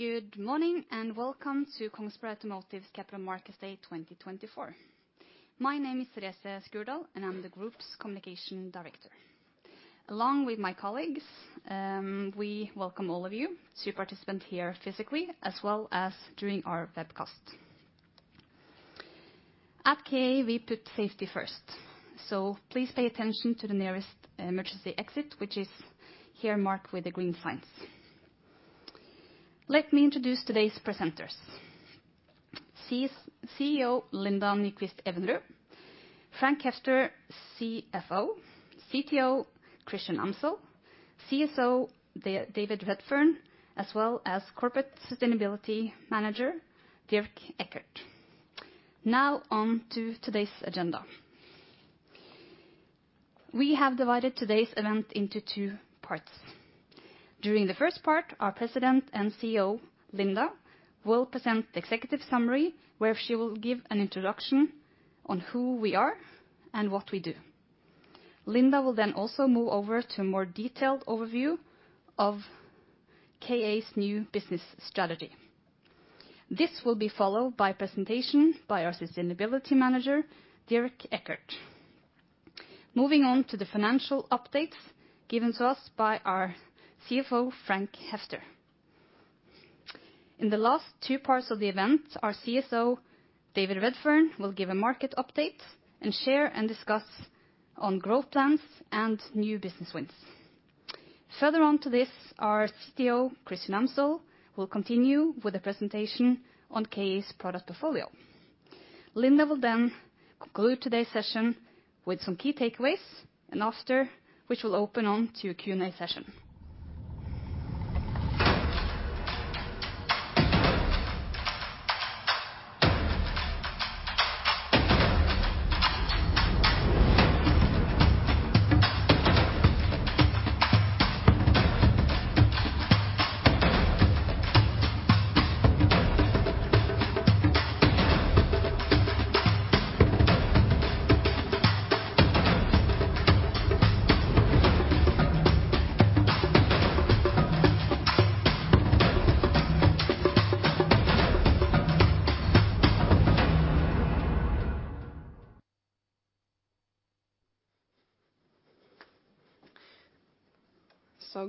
Good morning and welcome to Kongsberg Automotive Capital Markets Day 2024. My name is Therese Skurdal, and I'm the Group's Communication Director. Along with my colleagues, we welcome all of you to participate here physically as well as during our webcast. At KA, we put safety first, so please pay attention to the nearest emergency exit, which is here marked with the green signs. Let me introduce today's presenters: CEO Linda Nyquist-Evenrud, Frank Heffter, CFO, CTO Christian Amsel, CSO David Redfearn, as well as Corporate Sustainability Manager Dirk Eckert. Now on to today's agenda. We have divided today's event into two parts. During the first part, our President and CEO Linda will present the executive summary, where she will give an introduction on who we are and what we do. Linda will then also move over to a more detailed overview of KA's new business strategy. This will be followed by a presentation by our Sustainability Manager, Dirk Eckert. Moving on to the financial updates given to us by our CFO, Frank Heffter. In the last two parts of the event, our CSO, David Redfearn, will give a market update and share and discuss on growth plans and new business wins. Further on to this, our CTO, Christian Amsel, will continue with a presentation on KA's product portfolio. Linda will then conclude today's session with some key takeaways, and after, which will open on to a Q&A session.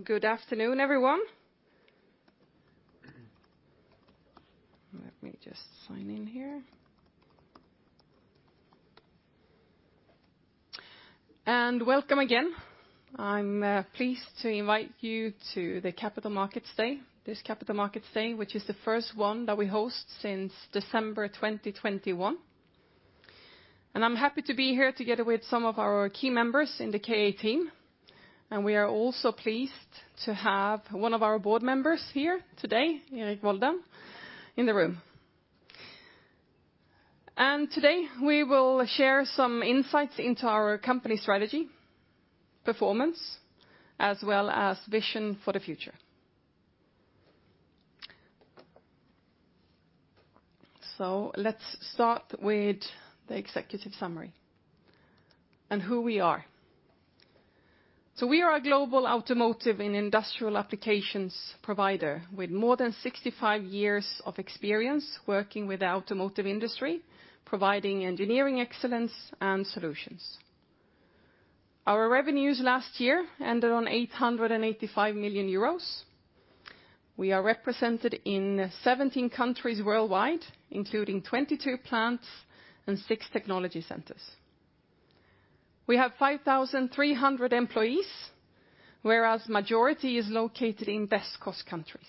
Good afternoon, everyone. Let me just sign in here. And welcome again. I'm pleased to invite you to the Capital Markets Day, this Capital Markets Day, which is the first one that we host since December 2021. And I'm happy to be here together with some of our key members in the KA team. And we are also pleased to have one of our board members here today, Erik Volden, in the room. And today we will share some insights into our company strategy, performance, as well as vision for the future. So let's start with the executive summary and who we are. So we are a global automotive and industrial applications provider with more than 65 years of experience working with the automotive industry, providing engineering excellence and solutions. Our revenues last year ended on 885 million euros. We are represented in 17 countries worldwide, including 22 plants and six technology centers. We have 5,300 employees, whereas the majority is located in best cost countries.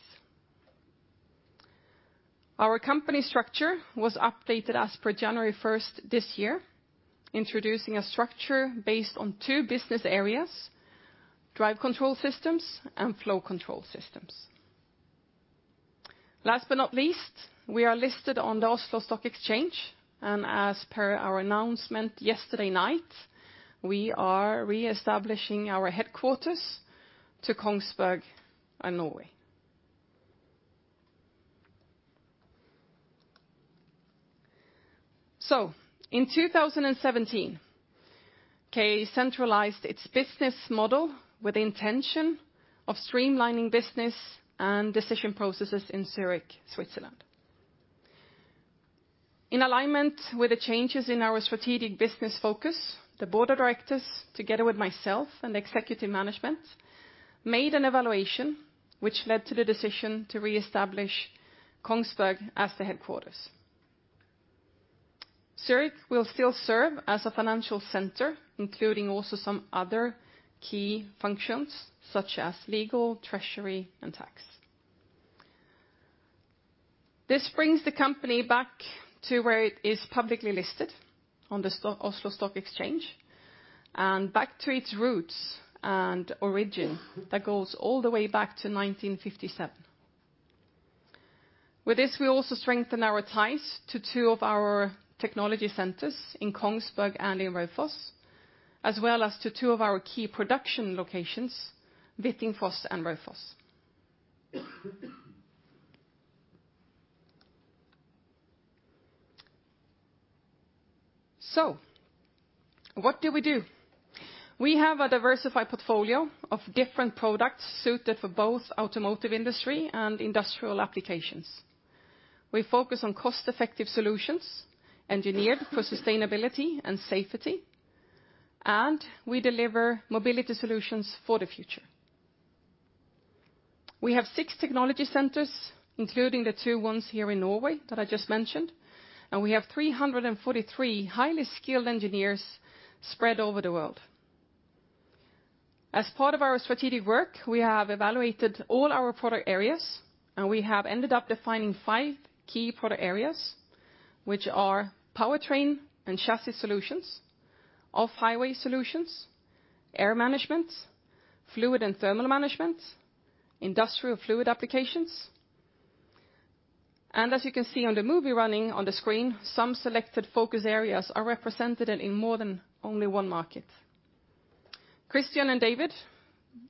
Our company structure was updated as per January 1st this year, introducing a structure based on two business areas: Drive Control Systems and Flow Control Systems. Last but not least, we are listed on the Oslo Stock Exchange, and as per our announcement yesterday night, we are reestablishing our headquarters to Kongsberg and Norway. So in 2017, KA centralized its business model with the intention of streamlining business and decision processes in Zurich, Switzerland. In alignment with the changes in our strategic business focus, the board of directors, together with myself and the executive management, made an evaluation which led to the decision to reestablish Kongsberg as the headquarters. Zurich will still serve as a financial center, including also some other key functions such as legal, treasury, and tax. This brings the company back to where it is publicly listed on the Oslo Stock Exchange and back to its roots and origin that goes all the way back to 1957. With this, we also strengthen our ties to two of our technology centers in Kongsberg and in Raufoss, as well as to two of our key production locations, Hvittingfoss and Raufoss. So what do we do? We have a diversified portfolio of different products suited for both automotive industry and industrial applications. We focus on cost-effective solutions engineered for sustainability and safety, and we deliver mobility solutions for the future. We have six technology centers, including the two ones here in Norway that I just mentioned, and we have 343 highly skilled engineers spread over the world. As part of our strategic work, we have evaluated all our product areas, and we have ended up defining five key product areas, which are Powertrain and Chassis Solutions, Off-Highway Solutions, Air Management, Fluid and Thermal Management, and Industrial Fluid Applications. And as you can see on the movie running on the screen, some selected focus areas are represented in more than only one market. Christian and David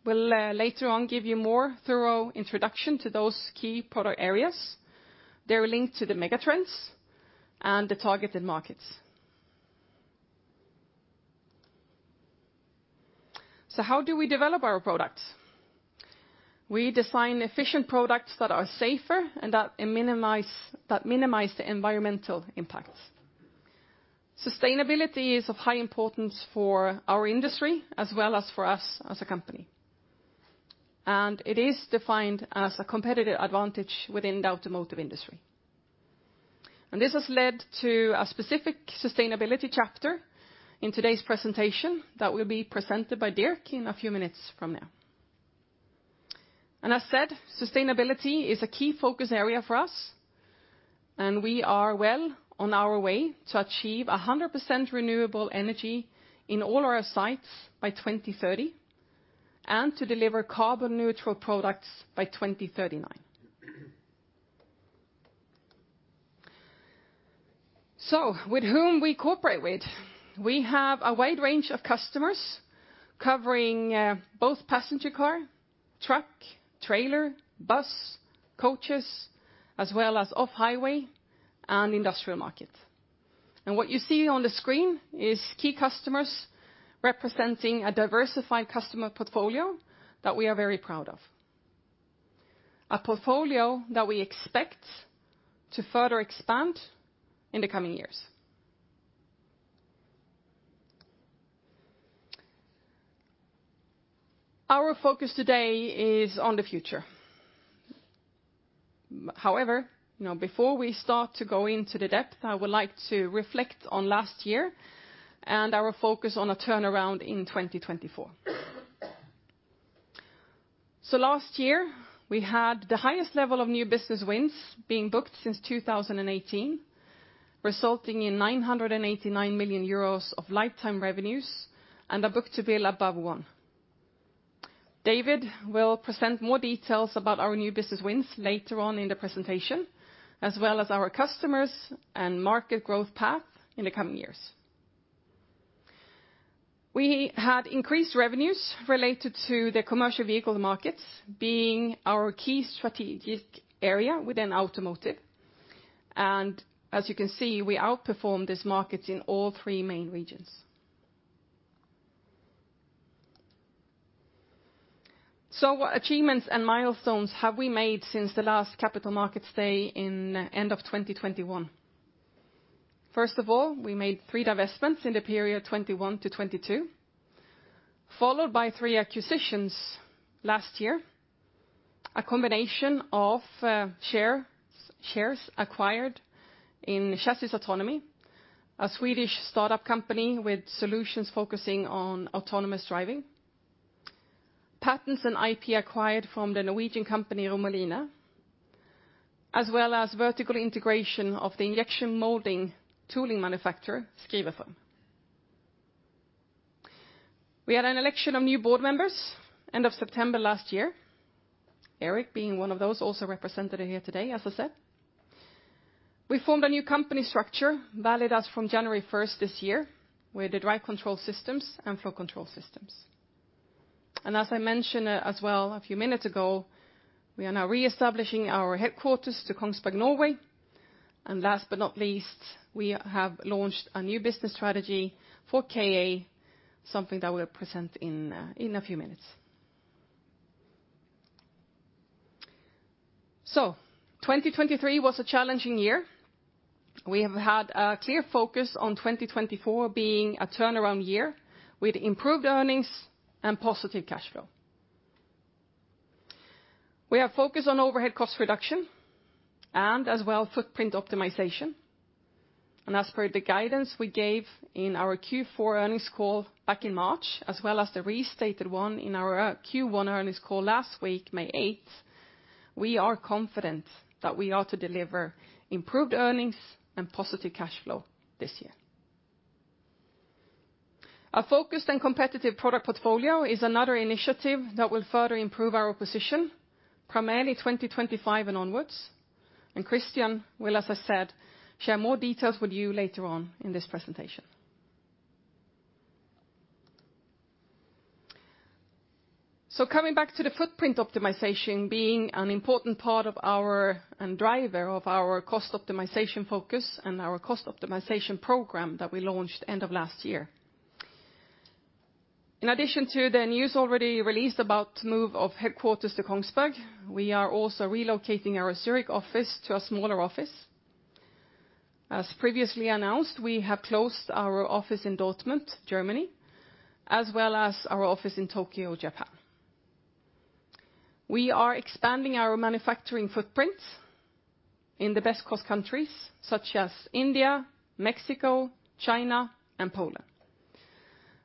will later on give you more thorough introduction to those key product areas. They're linked to the megatrends and the targeted markets. So how do we develop our products? We design efficient products that are safer and that minimize the environmental impacts. Sustainability is of high importance for our industry as well as for us as a company. And it is defined as a competitive advantage within the automotive industry. This has led to a specific sustainability chapter in today's presentation that will be presented by Dirk in a few minutes from now. As said, sustainability is a key focus area for us, and we are well on our way to achieve 100% renewable energy in all our sites by 2030 and to deliver carbon-neutral products by 2039. With whom we cooperate with? We have a wide range of customers covering both passenger car, truck, trailer, bus, coaches, as well as Off-Highway and industrial market. What you see on the screen is key customers representing a diversified customer portfolio that we are very proud of. A portfolio that we expect to further expand in the coming years. Our focus today is on the future. However, before we start to go into the depth, I would like to reflect on last year and our focus on a turnaround in 2024. So last year, we had the highest level of new business wins being booked since 2018, resulting in 989 million euros of lifetime revenues and a book-to-bill above one. David will present more details about our new business wins later on in the presentation, as well as our customers and market growth path in the coming years. We had increased revenues related to the commercial vehicle markets being our key strategic area within automotive. And as you can see, we outperformed these markets in all three main regions. So what achievements and milestones have we made since the last Capital Markets Day in the end of 2021? First of all, we made three divestments in the period 2021 to 2022, followed by three acquisitions last year, a combination of shares acquired in Chassis Autonomy, a Swedish startup company with solutions focusing on autonomous driving, patents and IP acquired from the Norwegian company Romalina, as well as vertical integration of the injection molding tooling manufacturer Skriverform. We had an election of new board members at the end of September last year, Erik being one of those also represented here today, as I said. We formed a new company structure valid as from January 1st this year with the Drive Control Systems and Flow Control Systems. As I mentioned as well a few minutes ago, we are now reestablishing our headquarters to Kongsberg, Norway. Last but not least, we have launched a new business strategy for KA, something that we'll present in a few minutes. 2023 was a challenging year. We have had a clear focus on 2024 being a turnaround year with improved earnings and positive cash flow. We have focused on overhead cost reduction and as well footprint optimization. As per the guidance we gave in our Q4 earnings call back in March, as well as the restated one in our Q1 earnings call last week, May 8th, we are confident that we are to deliver improved earnings and positive cash flow this year. Our focused and competitive product portfolio is another initiative that will further improve our position, primarily 2025 and onwards. Christian will, as I said, share more details with you later on in this presentation. So coming back to the footprint optimization being an important part of our, and driver of our cost optimization focus and our cost optimization program that we launched at the end of last year. In addition to the news already released about the move of headquarters to Kongsberg, we are also relocating our Zurich office to a smaller office. As previously announced, we have closed our office in Dortmund, Germany, as well as our office in Tokyo, Japan. We are expanding our manufacturing footprint in the best cost countries such as India, Mexico, China, and Poland.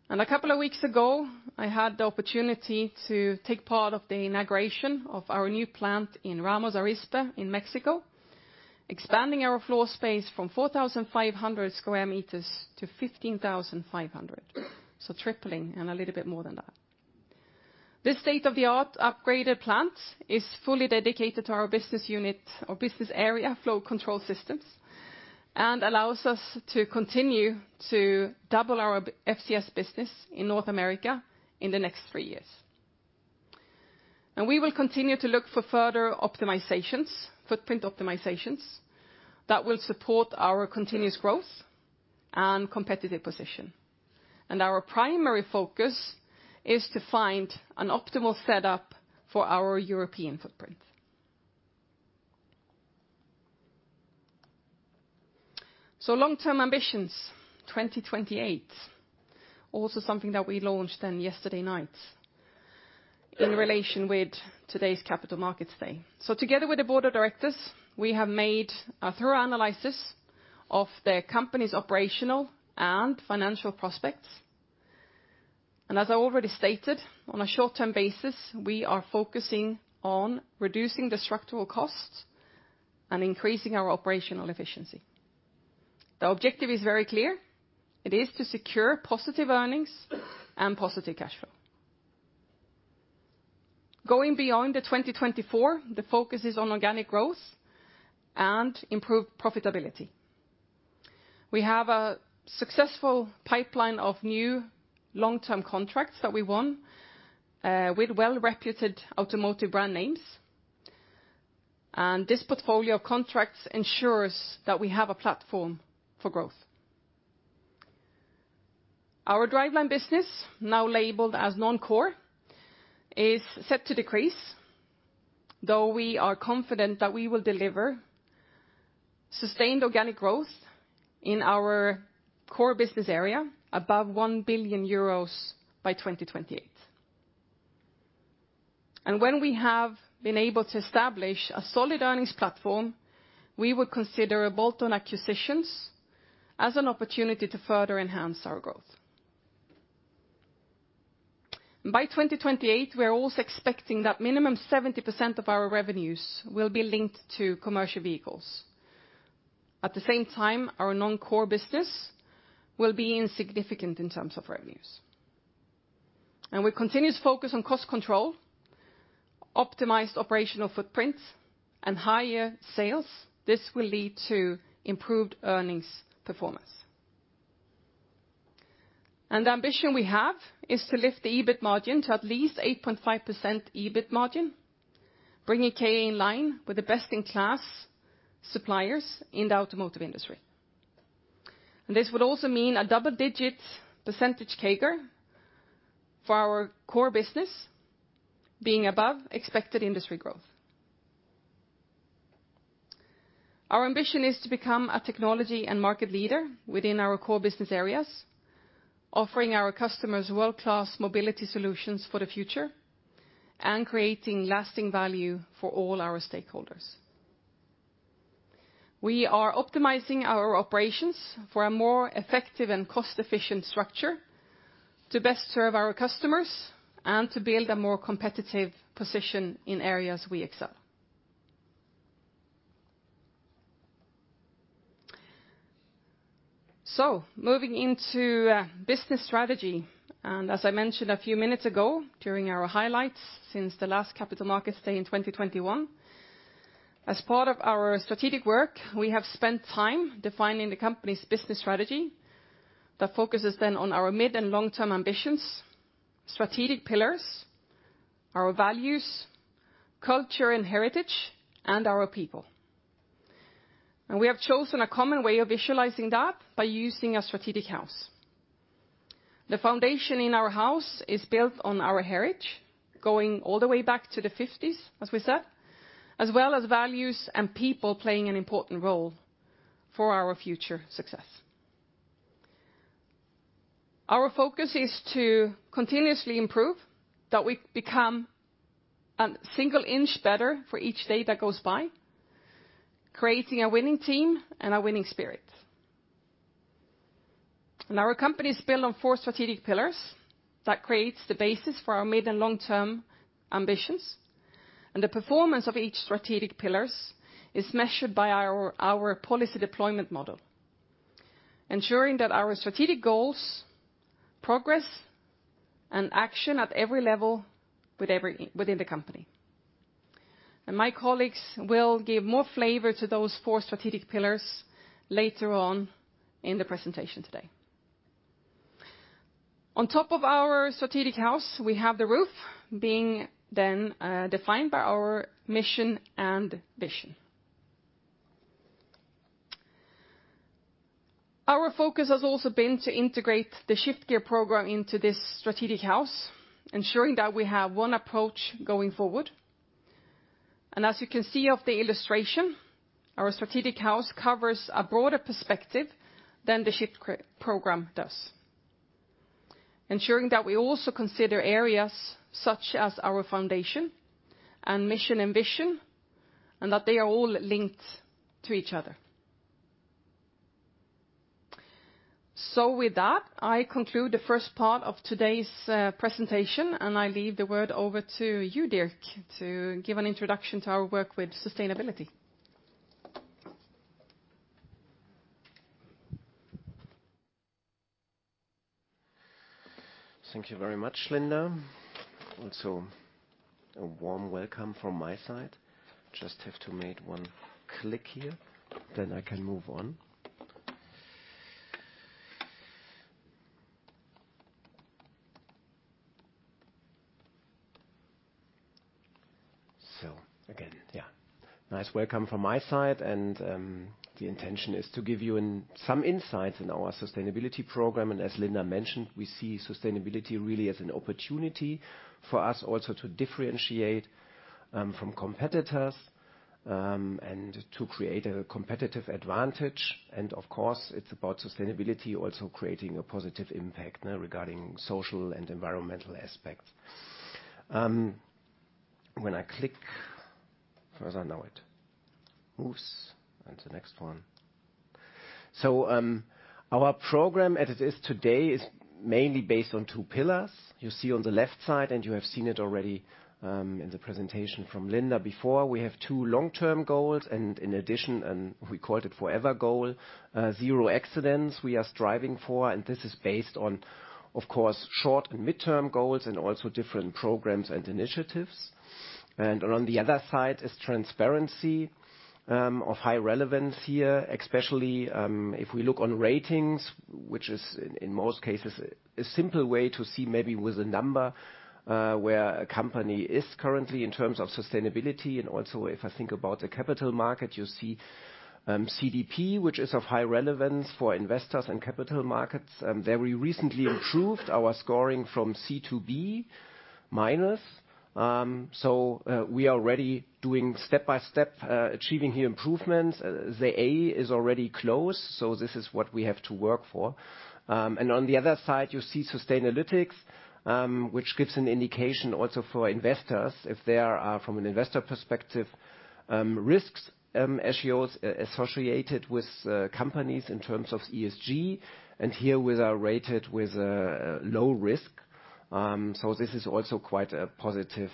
And a couple of weeks ago, I had the opportunity to take part of the inauguration of our new plant in Ramos Arizpe in Mexico, expanding our floor space from 4,500 square meters to 15,500, so tripling and a little bit more than that. This state-of-the-art upgraded plant is fully dedicated to our business unit or business area Flow Control Systems and allows us to continue to double our FCS business in North America in the next three years. And we will continue to look for further optimizations, footprint optimizations that will support our continuous growth and competitive position. And our primary focus is to find an optimal setup for our European footprint. So long-term ambitions, 2028, also something that we launched then yesterday night in relation with today's Capital Markets Day. So together with the board of directors, we have made a thorough analysis of the company's operational and financial prospects. And as I already stated, on a short-term basis, we are focusing on reducing the structural costs and increasing our operational efficiency. The objective is very clear. It is to secure positive earnings and positive cash flow. Going beyond 2024, the focus is on organic growth and improved profitability. We have a successful pipeline of new long-term contracts that we won with well-reputed automotive brand names. This portfolio of contracts ensures that we have a platform for growth. Our Driveline business, now labeled as non-core, is set to decrease, though we are confident that we will deliver sustained organic growth in our core business area above 1 billion euros by 2028. When we have been able to establish a solid earnings platform, we would consider bolt-on acquisitions as an opportunity to further enhance our growth. By 2028, we are also expecting that minimum 70% of our revenues will be linked to commercial vehicles. At the same time, our non-core business will be insignificant in terms of revenues. And with continuous focus on cost control, optimized operational footprint, and higher sales, this will lead to improved earnings performance. And the ambition we have is to lift the EBIT margin to at least 8.5% EBIT margin, bringing KA in line with the best-in-class suppliers in the automotive industry. And this would also mean a double-digit percentage CAGR for our core business being above expected industry growth. Our ambition is to become a technology and market leader within our core business areas, offering our customers world-class mobility solutions for the future and creating lasting value for all our stakeholders. We are optimizing our operations for a more effective and cost-efficient structure to best serve our customers and to build a more competitive position in areas we excel. Moving into business strategy, and as I mentioned a few minutes ago during our highlights since the last Capital Markets Day in 2021, as part of our strategic work, we have spent time defining the company's business strategy that focuses then on our mid and long-term ambitions, strategic pillars, our values, culture and heritage, and our people. We have chosen a common way of visualizing that by using a strategic house. The foundation in our house is built on our heritage, going all the way back to the '50s, as we said, as well as values and people playing an important role for our future success. Our focus is to continuously improve, that we become a single inch better for each day that goes by, creating a winning team and a winning spirit. Our company is built on four strategic pillars that create the basis for our mid and long-term ambitions. The performance of each strategic pillar is measured by our policy deployment model, ensuring that our strategic goals, progress, and action at every level within the company. My colleagues will give more flavor to those four strategic pillars later on in the presentation today. On top of our strategic house, we have the roof being then defined by our mission and vision. Our focus has also been to integrate the Shift Gear Program into this strategic house, ensuring that we have one approach going forward. As you can see of the illustration, our strategic house covers a broader perspective than the Shift Program does, ensuring that we also consider areas such as our foundation and mission and vision, and that they are all linked to each other. With that, I conclude the first part of today's presentation, and I leave the word over to you, Dirk, to give an introduction to our work with sustainability. Thank you very much, Linda. Also, a warm welcome from my side. Just have to make one click here, then I can move on. So again, yeah, nice welcome from my side. And the intention is to give you some insights in our sustainability program. And as Linda mentioned, we see sustainability really as an opportunity for us also to differentiate from competitors and to create a competitive advantage. And of course, it's about sustainability, also creating a positive impact regarding social and environmental aspects. When I click, as I know it, moves into the next one. So our program as it is today is mainly based on two pillars. You see on the left side, and you have seen it already in the presentation from Linda before, we have two long-term goals, and in addition, we called it forever goal, zero accidents we are striving for, and this is based on, of course, short and midterm goals and also different programs and initiatives, and on the other side is transparency of high relevance here, especially if we look on ratings, which is in most cases a simple way to see maybe with a number where a company is currently in terms of sustainability, and also, if I think about the capital market, you see CDP, which is of high relevance for investors and capital markets. They recently improved our scoring from C to B minus, so we are already doing step by step achieving new improvements. The A is already close, so this is what we have to work for. And on the other side, you see sustainability, which gives an indication also for investors, if they are from an investor perspective, risks ESG's associated with companies in terms of ESG. And here we are rated with a low risk. So this is also quite a positive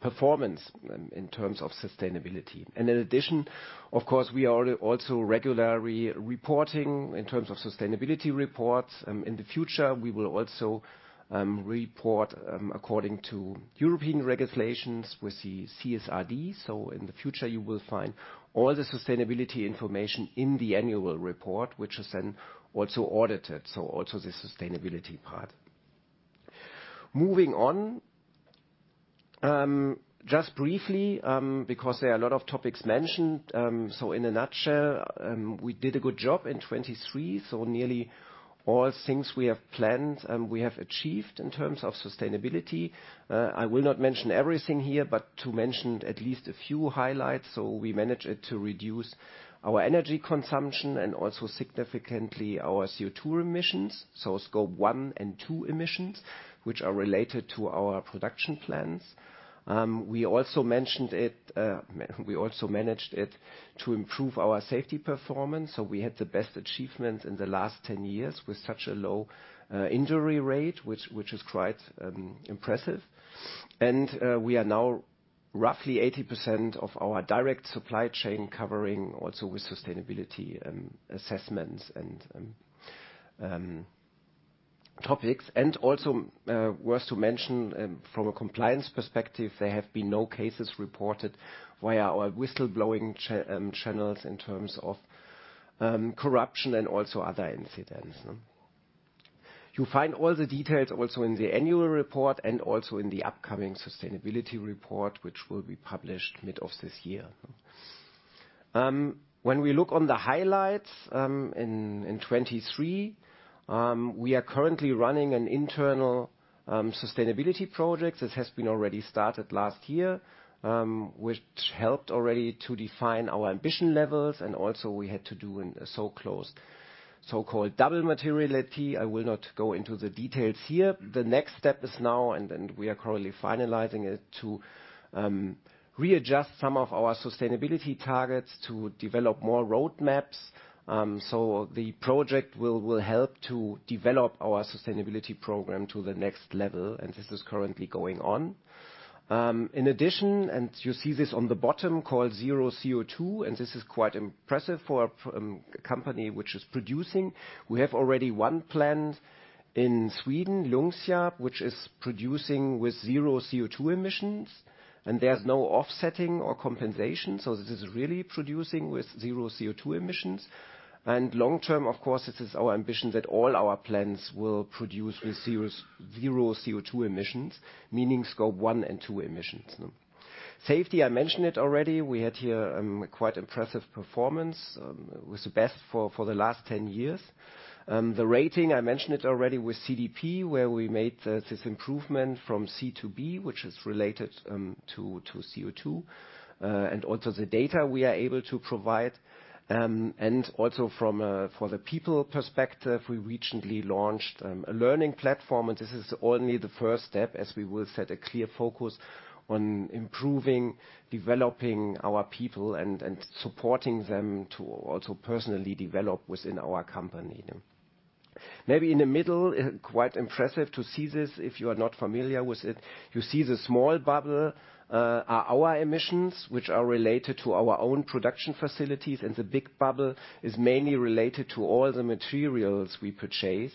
performance in terms of sustainability. And in addition, of course, we are also regularly reporting in terms of sustainability reports. In the future, we will also report according to European regulations with the CSRD. So in the future, you will find all the sustainability information in the annual report, which is then also audited. So also the sustainability part. Moving on, just briefly, because there are a lot of topics mentioned. So in a nutshell, we did a good job in 2023. Nearly all things we have planned and we have achieved in terms of sustainability. I will not mention everything here, but to mention at least a few highlights. We managed to reduce our energy consumption and also significantly our CO2 emissions, so Scope 1 and 2 emissions, which are related to our production plants. We also mentioned it. We also managed to improve our safety performance. We had the best achievements in the last 10 years with such a low injury rate, which is quite impressive. We are now roughly 80% of our direct supply chain covering also with sustainability assessments and topics. Also worth to mention, from a compliance perspective, there have been no cases reported via our whistleblowing channels in terms of corruption and also other incidents. You find all the details also in the annual report and also in the upcoming sustainability report, which will be published mid of this year. When we look on the highlights in 2023, we are currently running an internal sustainability project. This has been already started last year, which helped already to define our ambition levels. We also had to do a so-called double materiality. I will not go into the details here. The next step is now, and then we are currently finalizing it to readjust some of our sustainability targets to develop more roadmaps. The project will help to develop our sustainability program to the next level. This is currently going on. In addition, you see this on the bottom called Zero CO2, and this is quite impressive for a company which is producing. We already have one plant in Sweden, Ljungsarp, which is producing with zero CO2 emissions, and there's no offsetting or compensation. This is really producing with zero CO2 emissions. Long term, of course, this is our ambition that all our plants will produce with zero CO2 emissions, meaning Scope 1 and 2 emissions. Safety. I mentioned it already. We had here quite impressive performance with the best for the last 10 years. The rating. I mentioned it already with CDP, where we made this improvement from C to B, which is related to CO2, and also the data we are able to provide. Also from the people perspective, we recently launched a learning platform. This is only the first step, as we will set a clear focus on improving, developing our people and supporting them to also personally develop within our company. Maybe in the middle, quite impressive to see this. If you are not familiar with it, you see the small bubble are our emissions, which are related to our own production facilities. And the big bubble is mainly related to all the materials we purchase.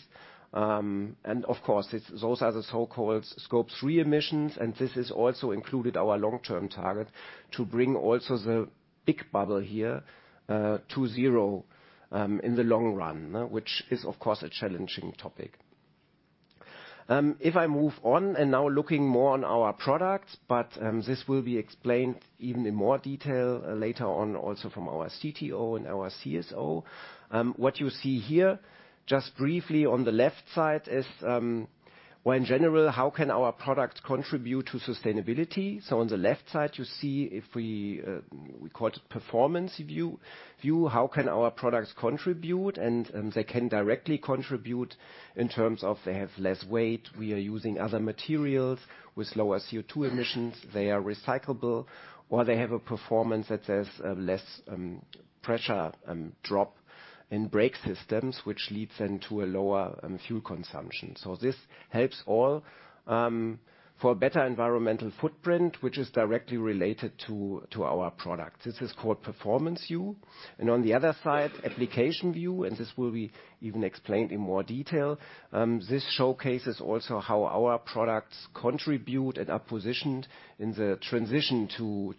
And of course, those are the so-called Scope 3 emissions. And this has also included our long-term target to bring also the big bubble here to zero in the long run, which is, of course, a challenging topic. If I move on and now looking more on our products, but this will be explained even in more detail later on also from our CTO and our CSO. What you see here, just briefly on the left side is, well, in general, how can our products contribute to sustainability? On the left side, you see if we call it performance view, how can our products contribute? And they can directly contribute in terms of they have less weight. We are using other materials with lower CO2 emissions. They are recyclable, or they have a performance that says less pressure drop in brake systems, which leads then to a lower fuel consumption. So this helps all for better environmental footprint, which is directly related to our products. This is called performance view. And on the other side, application view, and this will be even explained in more detail. This showcases also how our products contribute and are positioned in the transition to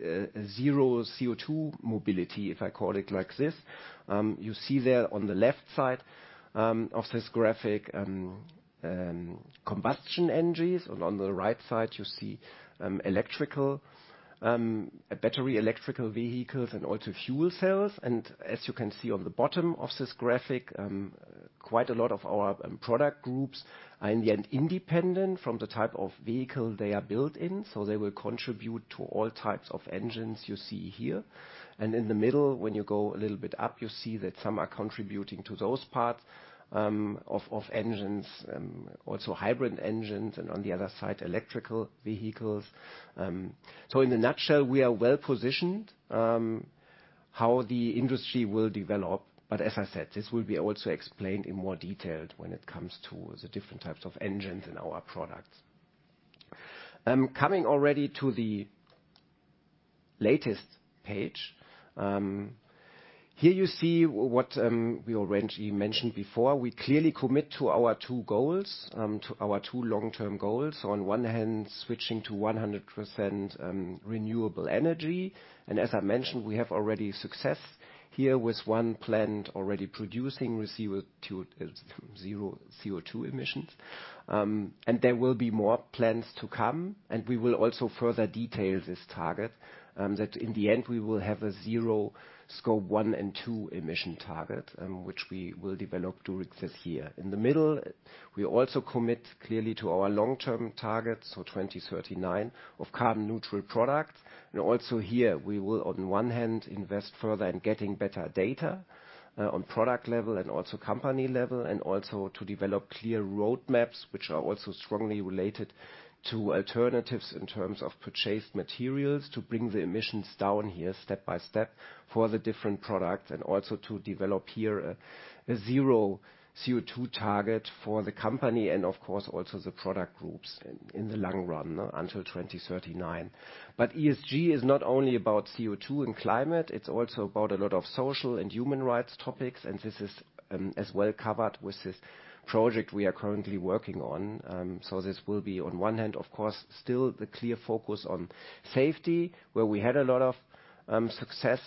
zero CO2 mobility, if I call it like this. You see there on the left side of this graphic, combustion engines. And on the right side, you see electrical, battery electric vehicles and also fuel cells. As you can see on the bottom of this graphic, quite a lot of our product groups are in the end independent from the type of vehicle they are built in. They will contribute to all types of engines you see here. In the middle, when you go a little bit up, you see that some are contributing to those parts of engines, also hybrid engines, and on the other side, electric vehicles. In a nutshell, we are well positioned how the industry will develop. As I said, this will be also explained in more detail when it comes to the different types of engines in our products. Coming already to the latest page, here you see what we already mentioned before. We clearly commit to our two goals, to our two long-term goals. On one hand, switching to 100% renewable energy. As I mentioned, we have already success here with one plant already producing zero CO2 emissions. There will be more plants to come. We will also further detail this target that in the end, we will have a zero Scope 1 and 2 emissions target, which we will develop during this year. In the middle, we also commit clearly to our long-term target, so 2039, of carbon neutral products. Also here, we will, on one hand, invest further in getting better data on product level and also company level, and also to develop clear roadmaps, which are also strongly related to alternatives in terms of purchased materials to bring the emissions down here step by step for the different products, and also to develop here a zero CO2 target for the company and, of course, also the product groups in the long run until 2039. But ESG is not only about CO2 and climate. It's also about a lot of social and human rights topics. And this is as well covered with this project we are currently working on. So this will be, on one hand, of course, still the clear focus on safety, where we had a lot of success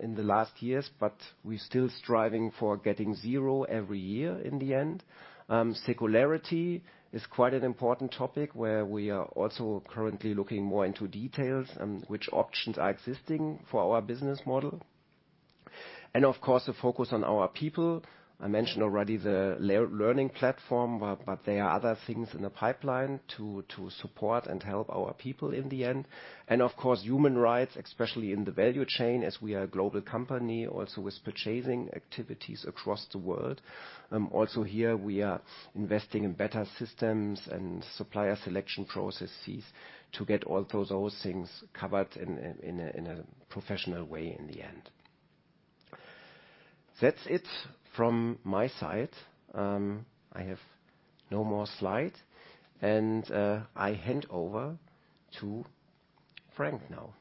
in the last years, but we're still striving for getting zero every year in the end. Circularity is quite an important topic where we are also currently looking more into details, which options are existing for our business model. And of course, the focus on our people. I mentioned already the learning platform, but there are other things in the pipeline to support and help our people in the end. And of course, human rights, especially in the value chain, as we are a global company, also with purchasing activities across the world. Also here, we are investing in better systems and supplier selection processes to get all those things covered in a professional way in the end. That's it from my side. I have no more slides, and I hand over to Frank now.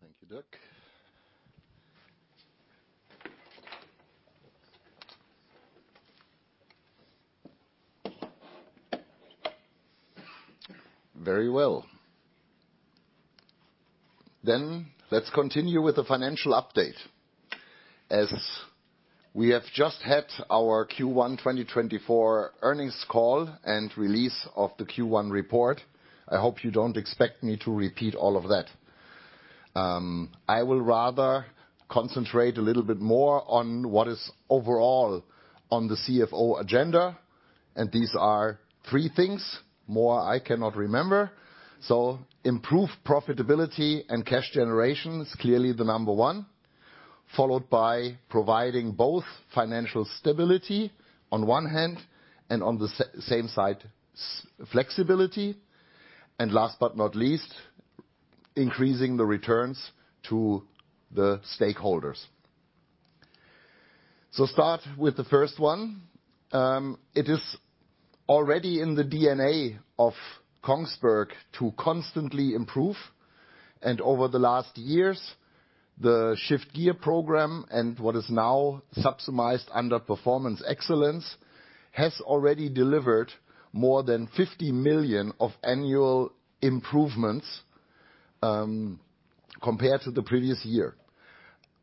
Thank you, Dirk. Very well, then let's continue with the financial update. As we have just had our Q1 2024 earnings call and release of the Q1 report, I hope you don't expect me to repeat all of that. I will rather concentrate a little bit more on what is overall on the CFO agenda, and these are three things. More I cannot remember, so start with the first one. It is already in the DNA of Kongsberg to constantly improve, and over the last years, the Shift Gear Program and what is now subsidized under Performance Excellence has already delivered more than 50 million of annual improvements compared to the previous year.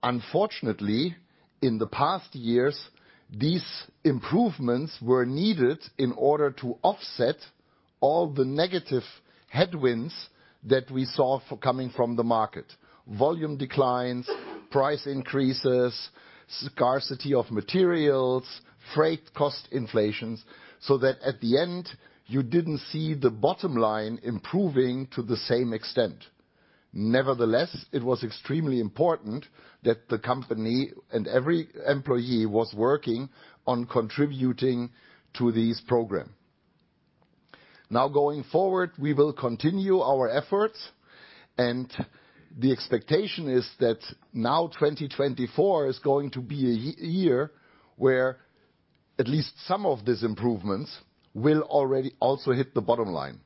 Unfortunately, in the past years, these improvements were needed in order to offset all the negative headwinds that we saw coming from the market: volume declines, price increases, scarcity of materials, freight cost inflations, so that at the end, you didn't see the bottom line improving to the same extent. Nevertheless, it was extremely important that the company and every employee was working on contributing to this program. Now, going forward, we will continue our efforts, and the expectation is that now 2024 is going to be a year where at least some of these improvements will already also hit the bottom line.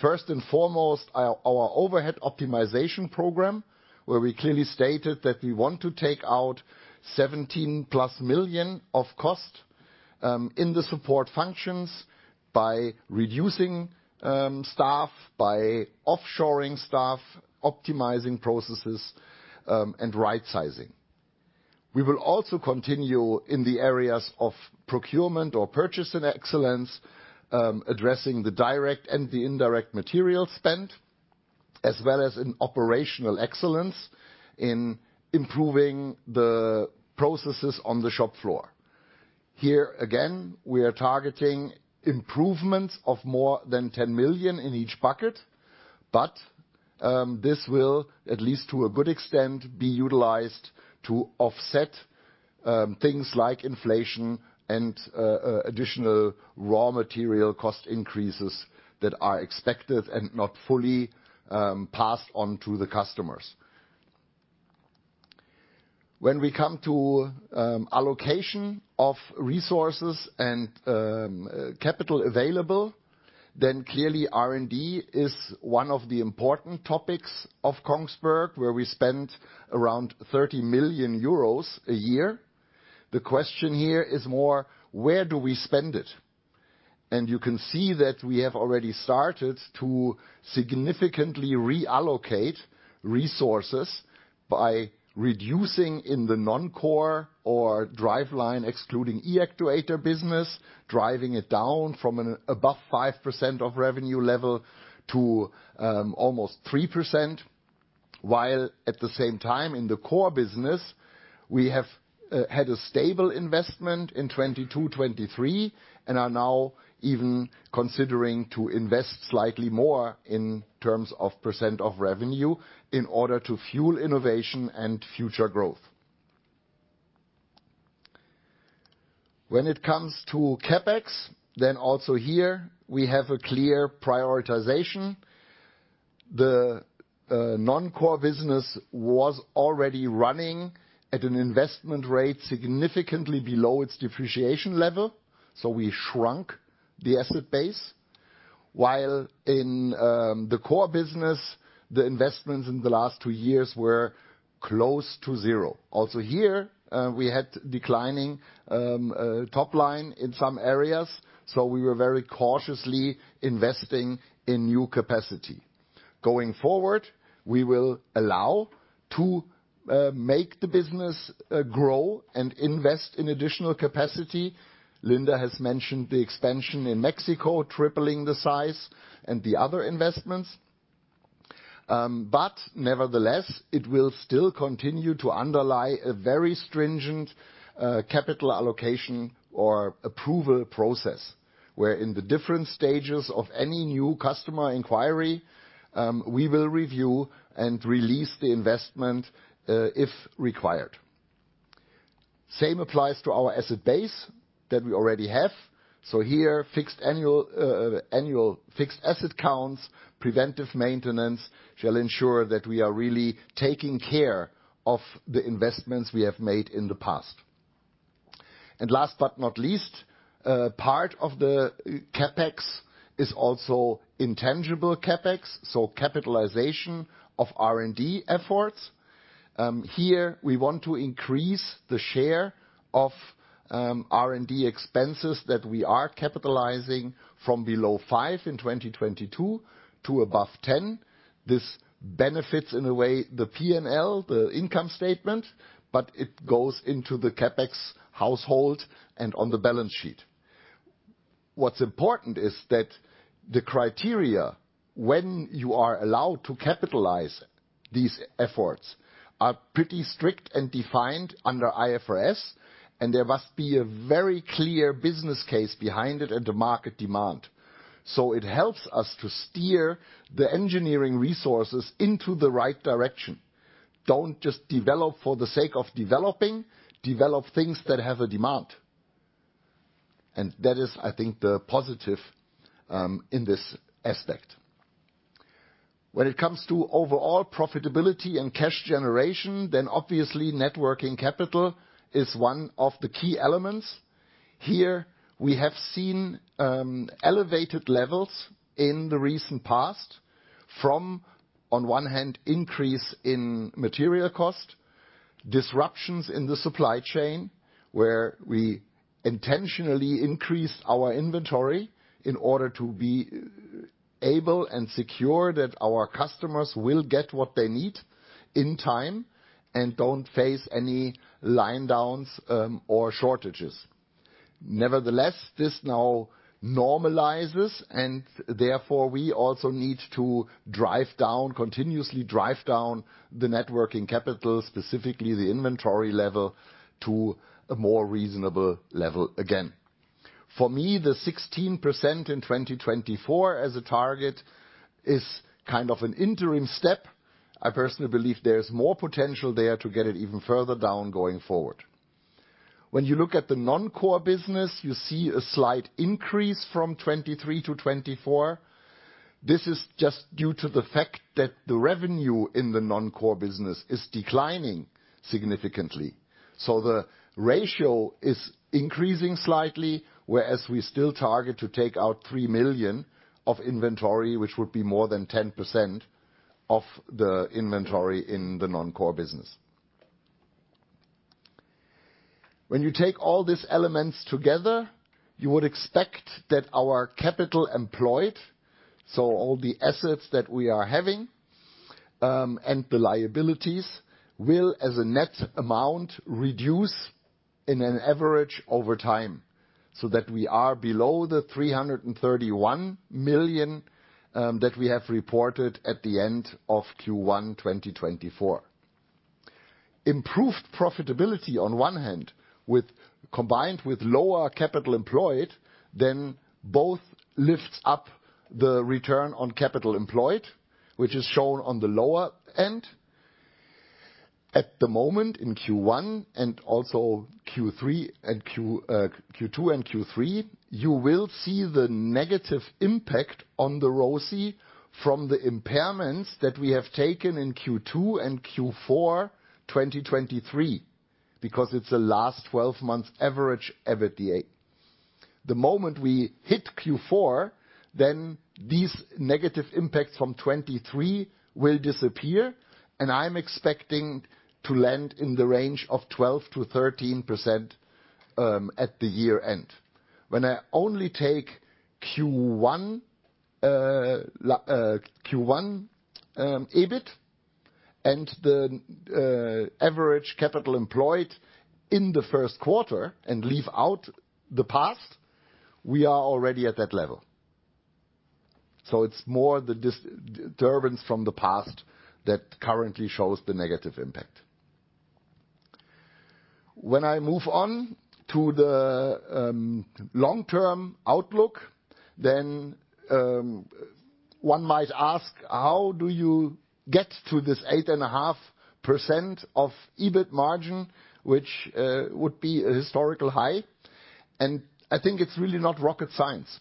First and foremost, our overhead optimization program, where we clearly stated that we want to take out 17+ million of cost in the support functions by reducing staff, by offshoring staff, optimizing processes, and right-sizing. We will also continue in the areas of procurement or Purchase and Excellence, addressing the direct and the indirect material spend, as well as in operational excellence in improving the processes on the shop floor. Here again, we are targeting improvements of more than 10 million in each bucket. But this will, at least to a good extent, be utilized to offset things like inflation and additional raw material cost increases that are expected and not fully passed on to the customers. When we come to allocation of resources and capitalavailable, then clearly R&D is one of the important topics of Kongsberg, where we spend around 30 million euros a year. The question here is more where do we spend it? And you can see that we have already started to significantly reallocate resources by reducing in the non-core or Driveline, excluding e-actuator business, driving it down from above 5% of revenue level to almost 3%, while at the same time in the core business, we have had a stable investment in 2022, 2023, and are now even considering to invest slightly more in terms of % of revenue in order to fuel innovation and future growth. When it comes to CapEx, then also here, we have a clear prioritization. The non-core business was already running at an investment rate significantly below its depreciation level. So we shrunk the asset base. While in the core business, the investments in the last two years were close to zero. Also here, we had declining top line in some areas. So we were very cautiously investing in new capacity. Going forward, we will allow to make the business grow and invest in additional capacity. Linda has mentioned the expansion in Mexico, tripling the size and the other investments. But nevertheless, it will still continue to underlie a very stringent capital allocation or approval process, where in the different stages of any new customer inquiry, we will review and release the investment if required. Same applies to our asset base that we already have. So here, fixed annual fixed asset counts, preventive maintenance shall ensure that we are really taking care of the investments we have made in the past. And last but not least, part of the CapEx is also intangible CapEx, so capitalization of R&D efforts. Here, we want to increase the share of R&D expenses that we are capitalizing from below 5% in 2022 to above 10%. This benefits in a way the P&L, the income statement, but it goes into the CapEx household and on the balance sheet. What's important is that the criteria when you are allowed to capitalize these efforts are pretty strict and defined under IFRS, and there must be a very clear business case behind it and the market demand. So it helps us to steer the engineering resources into the right direction. Don't just develop for the sake of developing. Develop things that have a demand. And that is, I think, the positive in this aspect. When it comes to overall profitability and cash generation, then obviously networking capital is one of the key elements. Here we have seen elevated levels in the recent past from, on one hand, increase in material cost, disruptions in the supply chain, where we intentionally increased our inventory in order to be able to secure that our customers will get what they need in time and don't face any line downs or shortages. Nevertheless, this now normalizes, and therefore we also need to drive down, continuously drive down the net working capital, specifically the inventory level to a more reasonable level again. For me, the 16% in 2024 as a target is kind of an interim step. I personally believe there is more potential there to get it even further down going forward. When you look at the non-core business, you see a slight increase from 2023 to 2024. This is just due to the fact that the revenue in the non-core business is declining significantly. So the ratio is increasing slightly, whereas we still target to take out 3 million of inventory, which would be more than 10% of the inventory in the non-core business. When you take all these elements together, you would expect that our capital employed, so all the assets that we are having and the liabilities will, as a net amount, reduce in an average over time so that we are below the 331 million that we have reported at the end of Q1 2024. Improved profitability, on one hand, combined with lower capital employed, then both lifts up the return on capital employed, which is shown on the lower end. At the moment in Q1 and also Q2 and Q3, you will see the negative impact on the ROCE from the impairments that we have taken in Q2 and Q4 2023 because it's the last 12 months average every day. The moment we hit Q4, then these negative impacts from 2023 will disappear, and I'm expecting to land in the range of 12%-13% at the year end. When I only take Q1 EBIT and the average capital employed in the first quarter and leave out the past, we are already at that level. So it's more the disturbance from the past that currently shows the negative impact. When I move on to the long-term outlook, then one might ask, how do you get to this 8.5% of EBIT margin, which would be a historical high? And I think it's really not rocket science.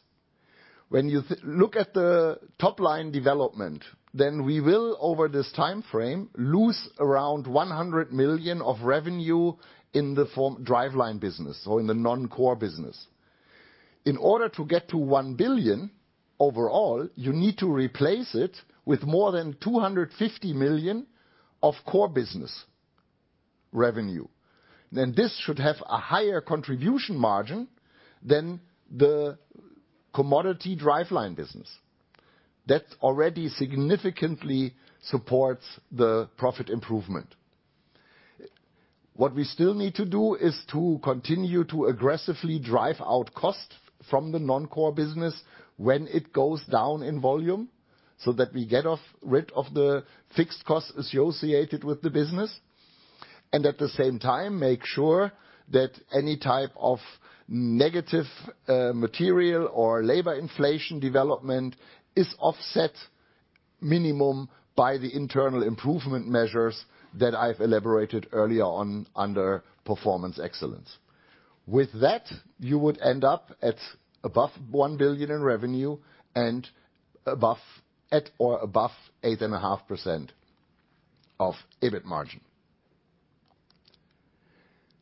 When you look at the top line development, then we will, over this time frame, lose around 100 million of revenue in the Driveline business or in the non-core business. In order to get to 1 billion overall, you need to replace it with more than 250 million of core business revenue. Then this should have a higher contribution margin than the commodity Driveline business. That already significantly supports the profit improvement. What we still need to do is to continue to aggressively drive out cost from the non-core business when it goes down in volume so that we get rid of the fixed cost associated with the business. And at the same time, make sure that any type of negative material or labor inflation development is offset minimum by the internal improvement measures that I've elaborated earlier on under Performance Excellence. With that, you would end up at above 1 billion in revenue and above 8.5% of EBIT margin.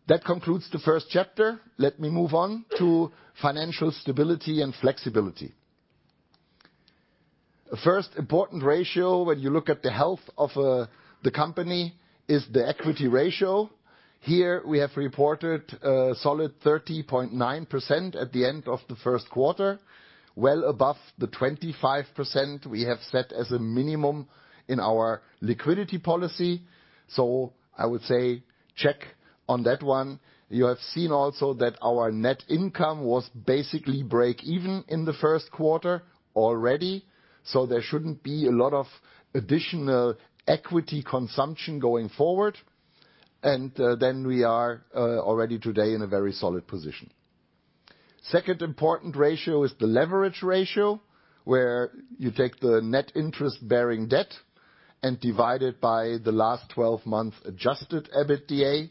That concludes the first chapter. Let me move on to financial stability and flexibility. The first important ratio when you look at the health of the company is the equity ratio. Here we have reported a solid 30.9% at the end of the first quarter, well above the 25% we have set as a minimum in our liquidity policy, so I would say check on that one. You have seen also that our net income was basically break-even in the first quarter already, so there shouldn't be a lot of additional equity consumption going forward, and then we are already today in a very solid position. Second important ratio is the leverage ratio, where you take the net interest-bearing debt and divide it by the last 12 months adjusted EBITDA.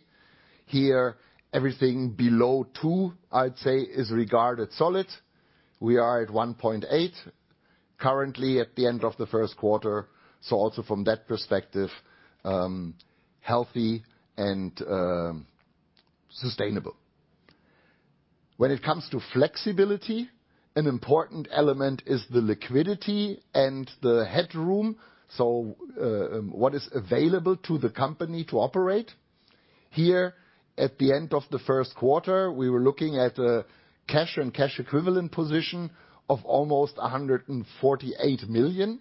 Here, everything below 2, I'd say, is regarded solid. We are at 1.8 currently at the end of the first quarter, so also from that perspective, healthy and sustainable. When it comes to flexibility, an important element is the liquidity and the headroom. So what is available to the company to operate? Here, at the end of the first quarter, we were looking at a cash and cash equivalent position of almost 148 million.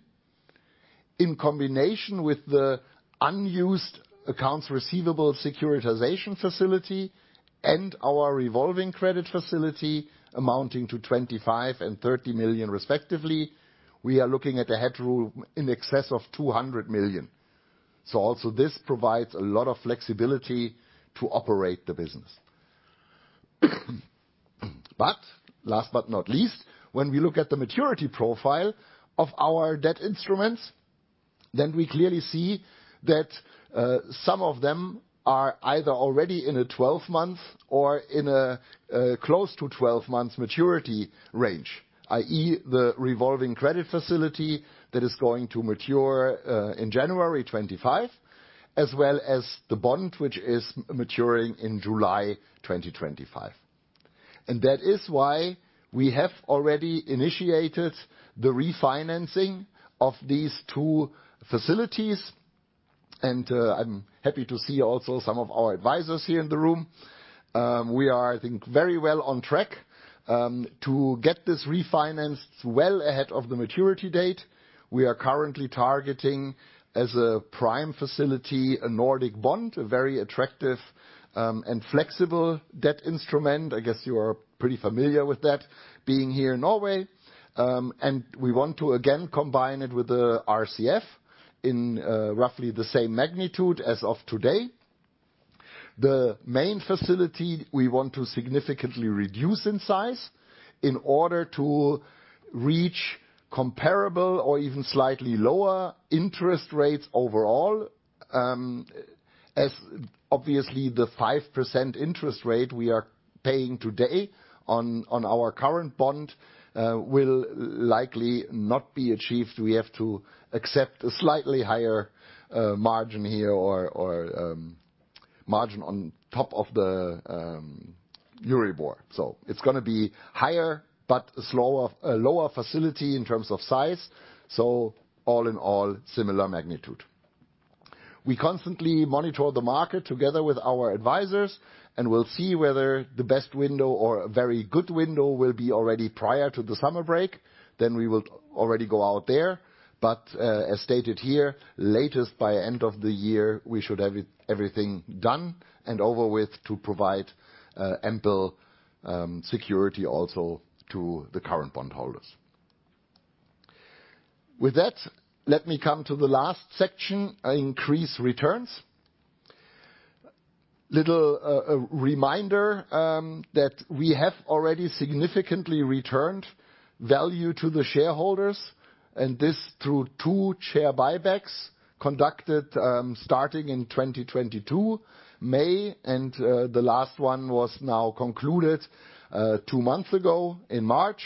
In combination with the unused accounts receivable securitization facility and our revolving credit facility amounting to 25 million and 30 million, respectively, we are looking at a headroom in excess of 200 million. So also this provides a lot of flexibility to operate the business. But last but not least, when we look at the maturity profile of our debt instruments, then we clearly see that some of them are either already in a 12-month or in a close to 12-month maturity range, i.e., the revolving credit facility that is going to mature in January 2025, as well as the bond, which is maturing in July 2025, and that is why we have already initiated the refinancing of these two facilities, and I'm happy to see also some of our advisors here in the room. We are, I think, very well on track to get this refinanced well ahead of the maturity date. We are currently targeting as a prime facility a Nordic bond, a very attractive and flexible debt instrument. I guess you are pretty familiar with that being here in Norway. And we want to again combine it with the RCF in roughly the same magnitude as of today. The main facility we want to significantly reduce in size in order to reach comparable or even slightly lower interest rates overall. As obviously, the 5% interest rate we are paying today on our current bond will likely not be achieved. We have to accept a slightly higher margin here or margin on top of the Euribor. So it's going to be higher, but a lower facility in terms of size. So all in all, similar magnitude. We constantly monitor the market together with our advisors, and we'll see whether the best window or a very good window will be already prior to the summer break. Then we will already go out there. But as stated here, latest by end of the year, we should have everything done and over with to provide ample security also to the current bondholders. With that, let me come to the last section, increase returns. Little reminder that we have already significantly returned value to the shareholders, and this through two share buybacks conducted starting in 2022, May, and the last one was now concluded two months ago in March.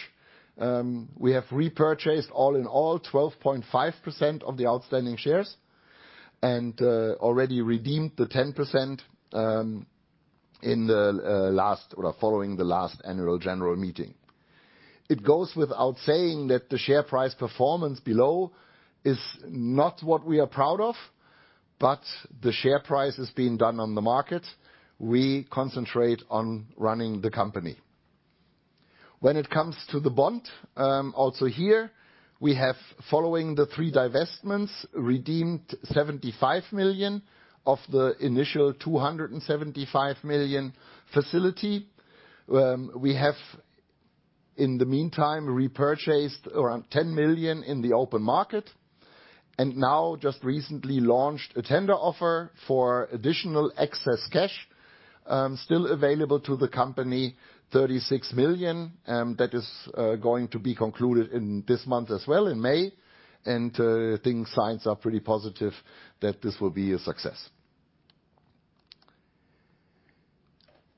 We have repurchased all in all 12.5% of the outstanding shares and already redeemed the 10% in the last or following the last Annual General Meeting. It goes without saying that the share price performance below is not what we are proud of, but the share price is being done on the market. We concentrate on running the company. When it comes to the bond, also here, we have, following the three divestments, redeemed 75 million of the initial 275 million facility. We have, in the meantime, repurchased around 10 million in the open market and now just recently launched a tender offer for additional excess cash still available to the company, 36 million. That is going to be concluded in this month as well, in May, and things sign up pretty positive that this will be a success.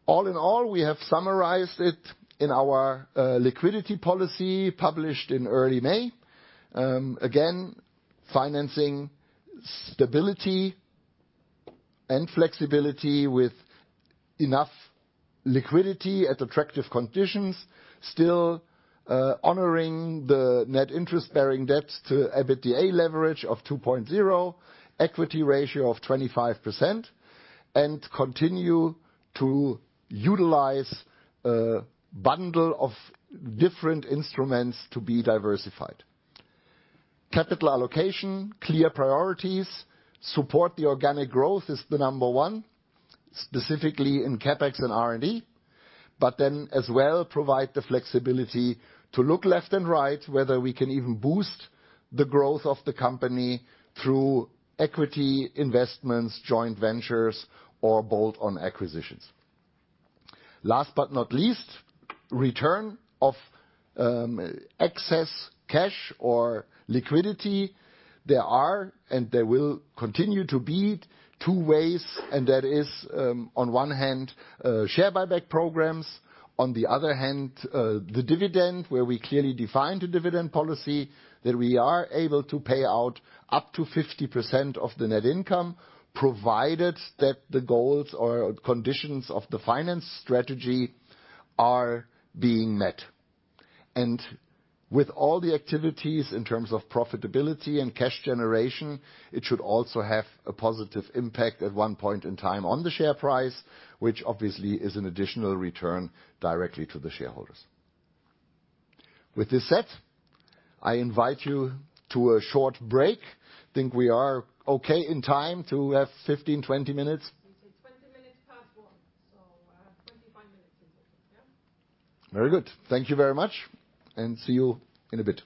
All in all, we have summarized it in our liquidity policy published in early May. Again, financing stability and flexibility with enough liquidity at attractive conditions, still honoring the net interest-bearing debt to EBITDA leverage of 2.0, equity ratio of 25%, and continue to utilize a bundle of different instruments to be diversified. Capital allocation, clear priorities, support the organic growth is the number one, specifically in CapEx and R&D, but then as well provide the flexibility to look left and right whether we can even boost the growth of the company through equity investments, joint ventures, or bolt-on acquisitions. Last but not least, return of excess cash or liquidity. There are and there will continue to be two ways, and that is, on one hand, share buyback programs. On the other hand, the dividend, where we clearly define the dividend policy that we are able to pay out up to 50% of the net income, provided that the goals or conditions of the finance strategy are being met. With all the activities in terms of profitability and cash generation, it should also have a positive impact at one point in time on the share price, which obviously is an additional return directly to the shareholders. With this said, I invite you to a short break. I think we are okay in time to have 15, 20 minutes. It's 20 minutes past one, so 25 minutes is okay. Very good. Thank you very much and see you in a bit.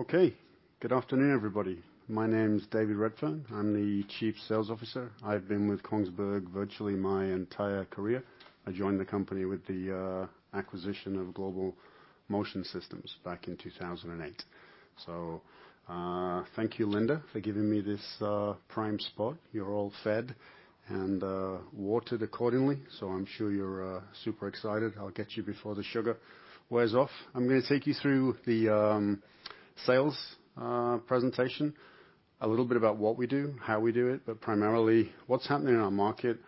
Okay. Good afternoon, everybody. My name's David Redfearn. I'm the Chief Sales Officer. I've been with Kongsberg virtually my entire career. I joined the company with the acquisition of Global Motion Systems back in 2008. So thank you, Linda, for giving me this prime spot. You're all fed and watered accordingly, so I'm sure you're super excited. I'll get you before the sugar wears off. I'm going to take you through the sales presentation, a little bit about what we do, how we do it, but primarily what's happening in our market,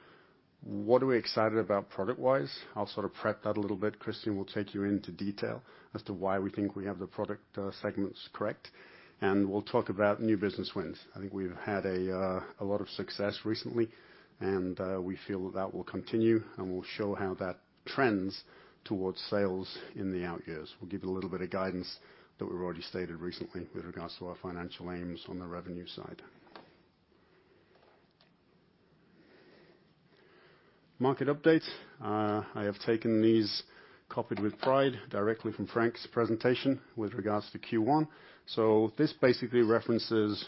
what are we excited about product-wise. I'll sort of prep that a little bit. Kristen will take you into detail as to why we think we have the product segments correct, and we'll talk about new business wins. I think we've had a lot of success recently, and we feel that that will continue, and we'll show how that trends towards sales in the out years. We'll give you a little bit of guidance that we've already stated recently with regards to our financial aims on the revenue side. Market updates. I have taken these copied with pride directly from Frank's presentation with regards to Q1. So this basically references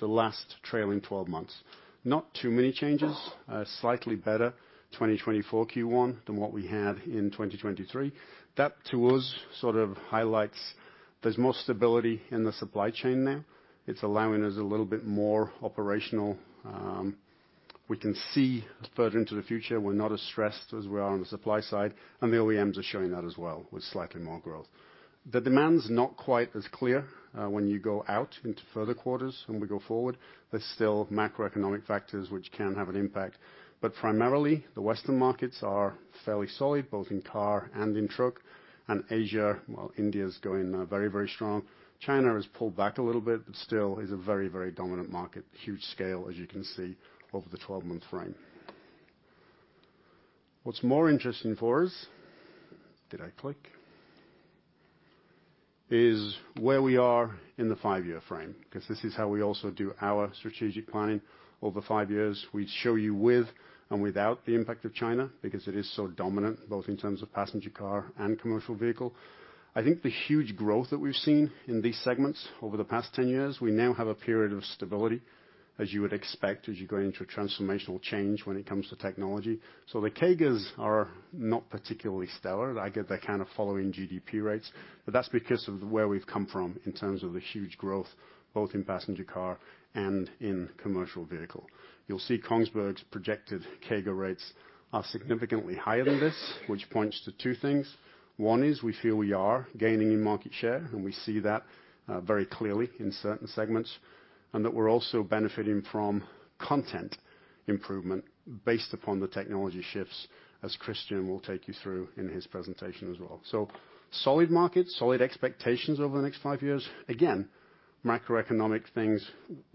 the last trailing 12 months. Not too many changes, slightly better 2024 Q1 than what we had in 2023. That to us sort of highlights there's more stability in the supply chain now. It's allowing us a little bit more operational. We can see further into the future. We're not as stressed as we are on the supply side, and the OEMs are showing that as well with slightly more growth. The demand's not quite as clear when you go out into further quarters and we go forward. There's still macroeconomic factors which can have an impact, but primarily the Western markets are fairly solid, both in car and in truck. Asia, well, India's going very, very strong. China has pulled back a little bit, but still is a very, very dominant market, huge scale, as you can see over the 12-month frame. What's more interesting for us, did I click, is where we are in the five-year frame, because this is how we also do our strategic planning over five years. We show you with and without the impact of China because it is so dominant, both in terms of passenger car and commercial vehicle. I think the huge growth that we've seen in these segments over the past 10 years, we now have a period of stability, as you would expect as you go into a transformational change when it comes to technology. So the CAGRs are not particularly stellar. I get they're kind of following GDP rates, but that's because of where we've come from in terms of the huge growth, both in passenger car and in commercial vehicle. You'll see Kongsberg's projected CAGR rates are significantly higher than this, which points to two things. One is we feel we are gaining in market share, and we see that very clearly in certain segments, and that we're also benefiting from content improvement based upon the technology shifts, as Christian will take you through in his presentation as well. So solid markets, solid expectations over the next five years. Again, macroeconomic things.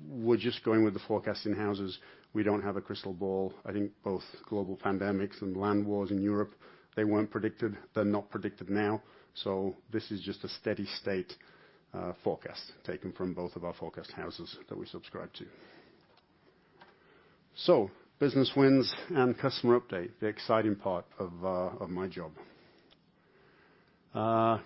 We're just going with the forecast in-house. We don't have a crystal ball. I think both global pandemics and land wars in Europe, they weren't predicted. They're not predicted now. So this is just a steady-state forecast taken from both of our forecast houses that we subscribe to. So business wins and customer update, the exciting part of my job.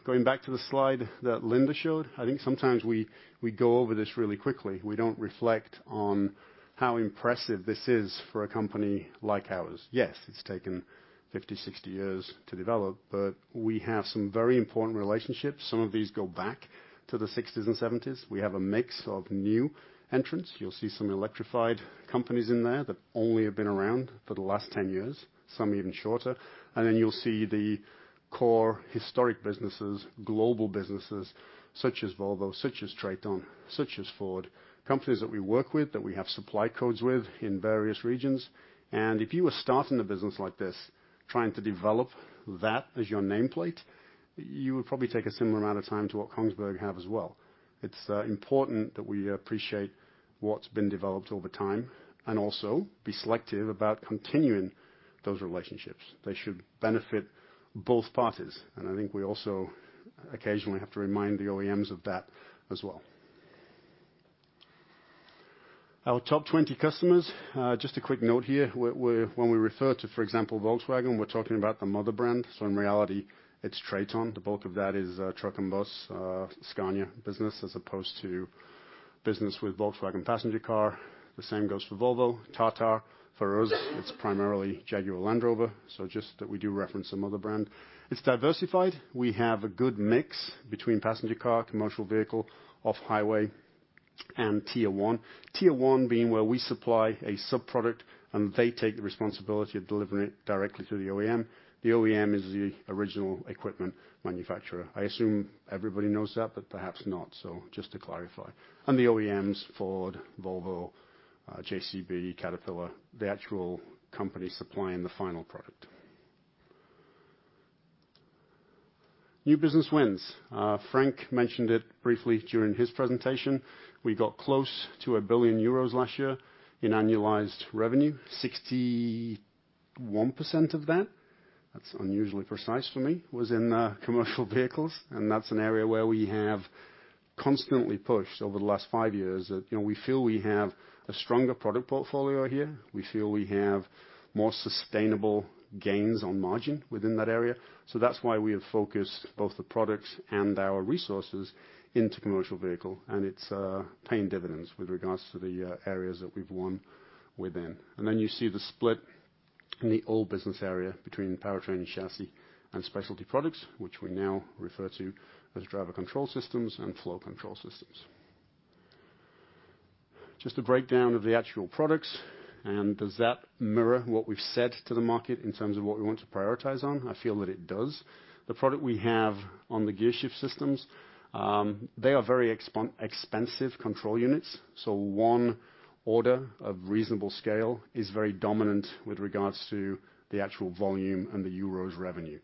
Going back to the slide that Linda showed, I think sometimes we go over this really quickly. We don't reflect on how impressive this is for a company like ours. Yes, it's taken 50, 60 years to develop, but we have some very important relationships. Some of these go back to the '60s and '70s. We have a mix of new entrants. You'll see some electrified companies in there that only have been around for the last 10 years, some even shorter. And then you'll see the core historic businesses, global businesses such as Volvo, such as Traton, such as Ford, companies that we work with, that we have supply codes with in various regions. And if you were starting a business like this, trying to develop that as your nameplate, you would probably take a similar amount of time to what Kongsberg have as well. It's important that we appreciate what's been developed over time and also be selective about continuing those relationships. They should benefit both parties. I think we also occasionally have to remind the OEMs of that as well. Our top 20 customers, just a quick note here. When we refer to, for example, Volkswagen, we're talking about the mother brand. So in reality, it's Traton. The bulk of that is truck and bus, Scania business, as opposed to business with Volkswagen passenger car. The same goes for Volvo, Tata. For us, it's primarily Jaguar Land Rover. So just that we do reference the mother brand. It's diversified. We have a good mix between passenger car, commercial vehicle, off-highway, and Tier 1. Tier 1 being where we supply a subproduct and they take the responsibility of delivering it directly to the OEM. The OEM is the original equipment manufacturer. I assume everybody knows that, but perhaps not. So just to clarify. The OEMs, Ford, Volvo, JCB, Caterpillar, the actual company supplying the final product. New business wins. Frank mentioned it briefly during his presentation. We got close to 1 billion euros last year in annualized revenue. 61% of that, that's unusually precise for me, was in commercial vehicles. That's an area where we have constantly pushed over the last five years that we feel we have a stronger product portfolio here. We feel we have more sustainable gains on margin within that area. That's why we have focused both the products and our resources into commercial vehicle. It's paying dividends with regards to the areas that we've won within. Then you see the split in the old business area between Powertrain and Chassis and Specialty Products, which we now refer to as Drive Control Systems and Flow Control Systems. Just a breakdown of the actual products. Does that mirror what we've said to the market in terms of what we want to prioritize on? I feel that it does. The product we have on the gearshift systems, they are very expensive control units. So one order of reasonable scale is very dominant with regards to the actual volume and the EUR revenue.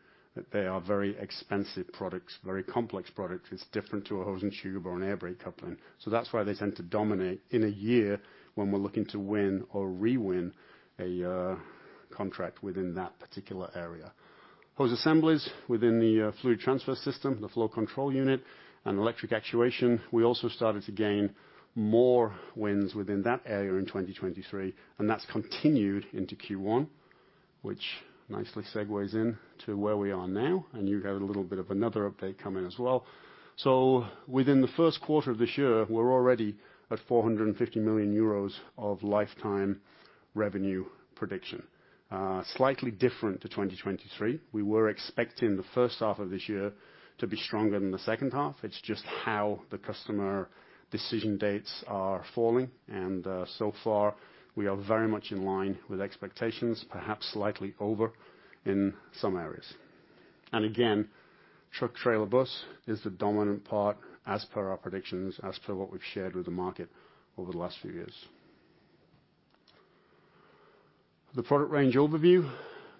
They are very expensive products, very complex products. It's different to a hose and tube or an air brake coupling. So that's why they tend to dominate in a year when we're looking to win or re-win a contract within that particular area. Hose assemblies within the fluid transfer system, the flow control unit, and electric actuation, we also started to gain more wins within that area in 2023. That's continued into Q1, which nicely segues into where we are now. You had a little bit of another update come in as well. Within the first quarter of this year, we're already at 450 million euros of lifetime revenue prediction. Slightly different to 2023. We were expecting the first half of this year to be stronger than the second half. It's just how the customer decision dates are falling. So far, we are very much in line with expectations, perhaps slightly over in some areas. Again, truck, trailer, bus is the dominant part as per our predictions, as per what we've shared with the market over the last few years. The product range overview,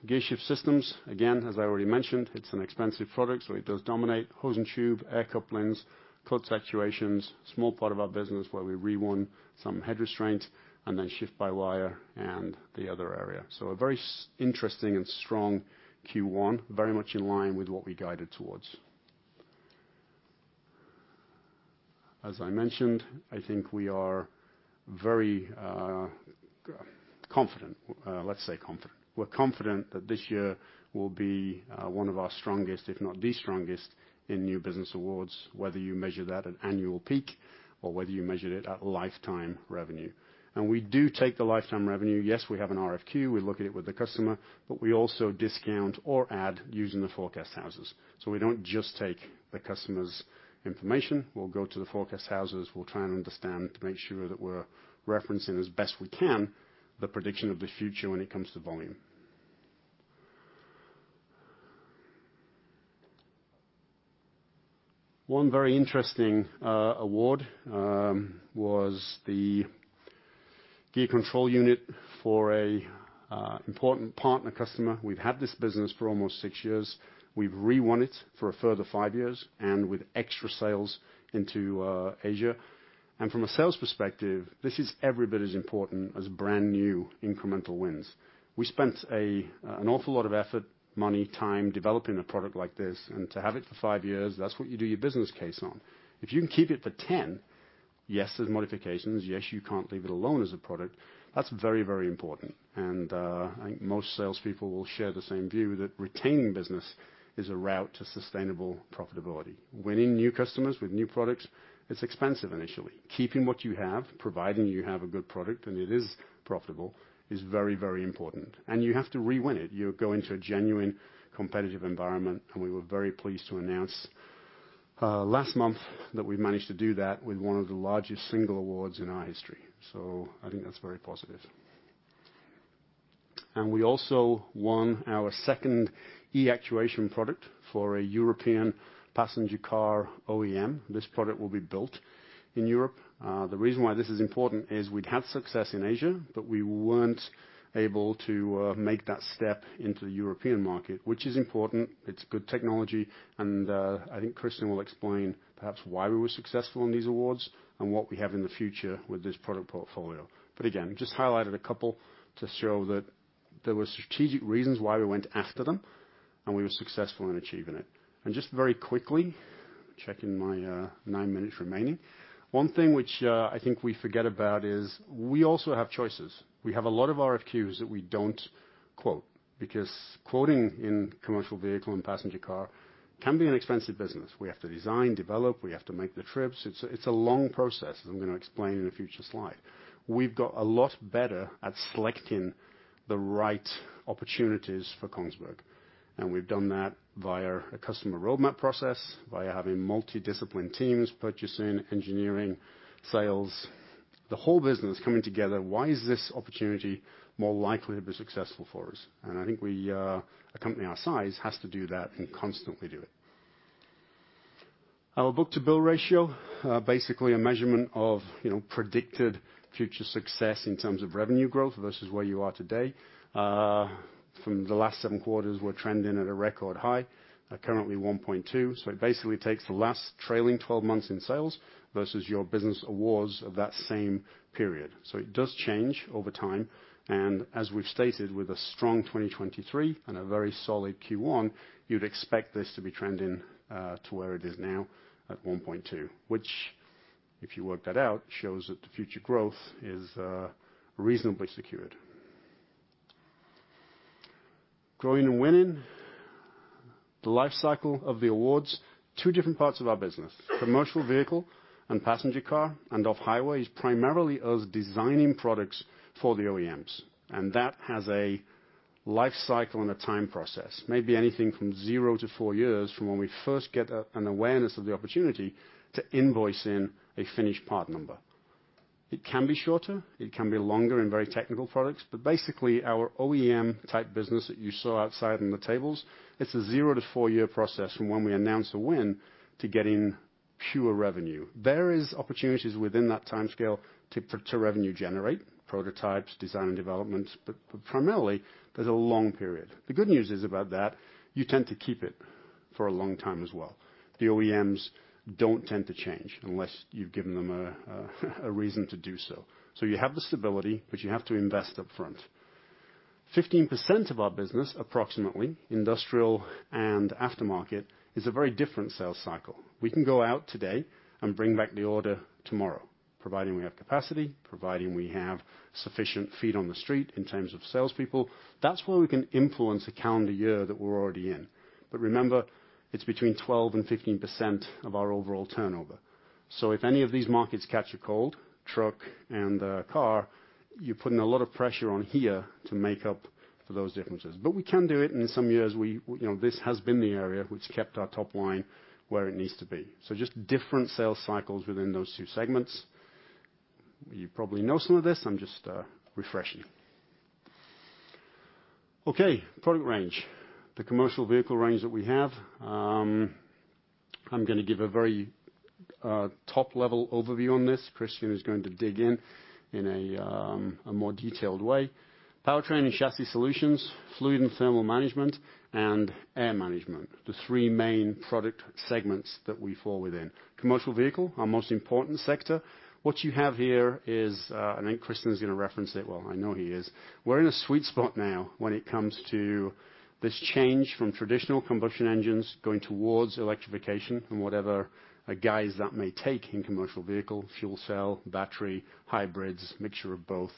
gearshift systems. Again, as I already mentioned, it's an expensive product, so it does dominate hose and tube, air couplings, clutch actuations, small part of our business where we re-won some head restraint and then shift-by-wire and the other area. So a very interesting and strong Q1, very much in line with what we guided towards. As I mentioned, I think we are very confident, let's say confident. We're confident that this year will be one of our strongest, if not the strongest, in new business awards, whether you measure that at annual peak or whether you measure it at lifetime revenue. And we do take the lifetime revenue. Yes, we have an RFQ. We look at it with the customer, but we also discount or add using the forecast houses. So we don't just take the customer's information. We'll go to the forecast houses. We'll try and understand to make sure that we're referencing as best we can the prediction of the future when it comes to volume. One very interesting award was the gear control unit for an important partner customer. We've had this business for almost six years. We've re-won it for a further five years and with extra sales into Asia. And from a sales perspective, this is every bit as important as brand new incremental wins. We spent an awful lot of effort, money, time developing a product like this. And to have it for five years, that's what you do your business case on. If you can keep it for 10, yes, there's modifications. Yes, you can't leave it alone as a product. That's very, very important. And I think most salespeople will share the same view that retaining business is a route to sustainable profitability. Winning new customers with new products, it's expensive initially. Keeping what you have, providing you have a good product, and it is profitable, is very, very important. And you have to re-win it. You'll go into a genuine competitive environment. We were very pleased to announce last month that we've managed to do that with one of the largest single awards in our history. So I think that's very positive. We also won our second e-actuation product for a European passenger car OEM. This product will be built in Europe. The reason why this is important is we'd had success in Asia, but we weren't able to make that step into the European market, which is important. It's good technology. I think Christian will explain perhaps why we were successful in these awards and what we have in the future with this product portfolio. But again, just highlighted a couple to show that there were strategic reasons why we went after them and we were successful in achieving it. Just very quickly, checking my nine minutes remaining. One thing which I think we forget about is we also have choices. We have a lot of RFQs that we don't quote because quoting in commercial vehicle and passenger car can be an expensive business. We have to design, develop, we have to make the trips. It's a long process, as I'm going to explain in a future slide. We've got a lot better at selecting the right opportunities for Kongsberg, and we've done that via a customer roadmap process, via having multidisciplined teams, purchasing, engineering, sales, the whole business coming together. Why is this opportunity more likely to be successful for us, and I think a company our size has to do that and constantly do it. Our Book-to-Bill ratio, basically a measurement of predicted future success in terms of revenue growth versus where you are today. From the last seven quarters, we're trending at a record high, currently 1.2. So it basically takes the last trailing 12 months in sales versus your business awards of that same period. So it does change over time. And as we've stated, with a strong 2023 and a very solid Q1, you'd expect this to be trending to where it is now at 1.2, which, if you work that out, shows that the future growth is reasonably secured. Growing and winning, the life cycle of the awards, two different parts of our business, commercial vehicle and passenger car and off-highway, is primarily us designing products for the OEMs. And that has a life cycle and a time process, maybe anything from zero to four years from when we first get an awareness of the opportunity to invoicing a finished part number. It can be shorter. It can be longer in very technical products. But basically, our OEM-type business that you saw outside on the tables, it's a zero-to-four-year process from when we announce a win to getting pure revenue. There are opportunities within that timescale to revenue-generate prototypes, design and development, but primarily, there's a long period. The good news is about that, you tend to keep it for a long time as well. The OEMs don't tend to change unless you've given them a reason to do so. So you have the stability, but you have to invest upfront. 15% of our business, approximately, industrial and aftermarket, is a very different sales cycle. We can go out today and bring back the order tomorrow, providing we have capacity, providing we have sufficient feet on the street in terms of salespeople. That's where we can influence a calendar year that we're already in. But remember, it's between 12% and 15% of our overall turnover. So if any of these markets catch a cold, truck and car, you're putting a lot of pressure on here to make up for those differences. But we can do it. And in some years, this has been the area which kept our top line where it needs to be. So just different sales cycles within those two segments. You probably know some of this. I'm just refreshing. Okay, product range, the commercial vehicle range that we have. I'm going to give a very top-level overview on this. Christian is going to dig in in a more detailed way. Powertrain and Chassis Solutions, Fluid and Thermal Management, and Air Management, the three main product segments that we fall within. Commercial vehicle, our most important sector. What you have here is, I think Christian is going to reference it. I know he is. We're in a sweet spot now when it comes to this change from traditional combustion engines going towards electrification and whatever guise that may take in commercial vehicle, fuel cell, battery, hybrids, mixture of both.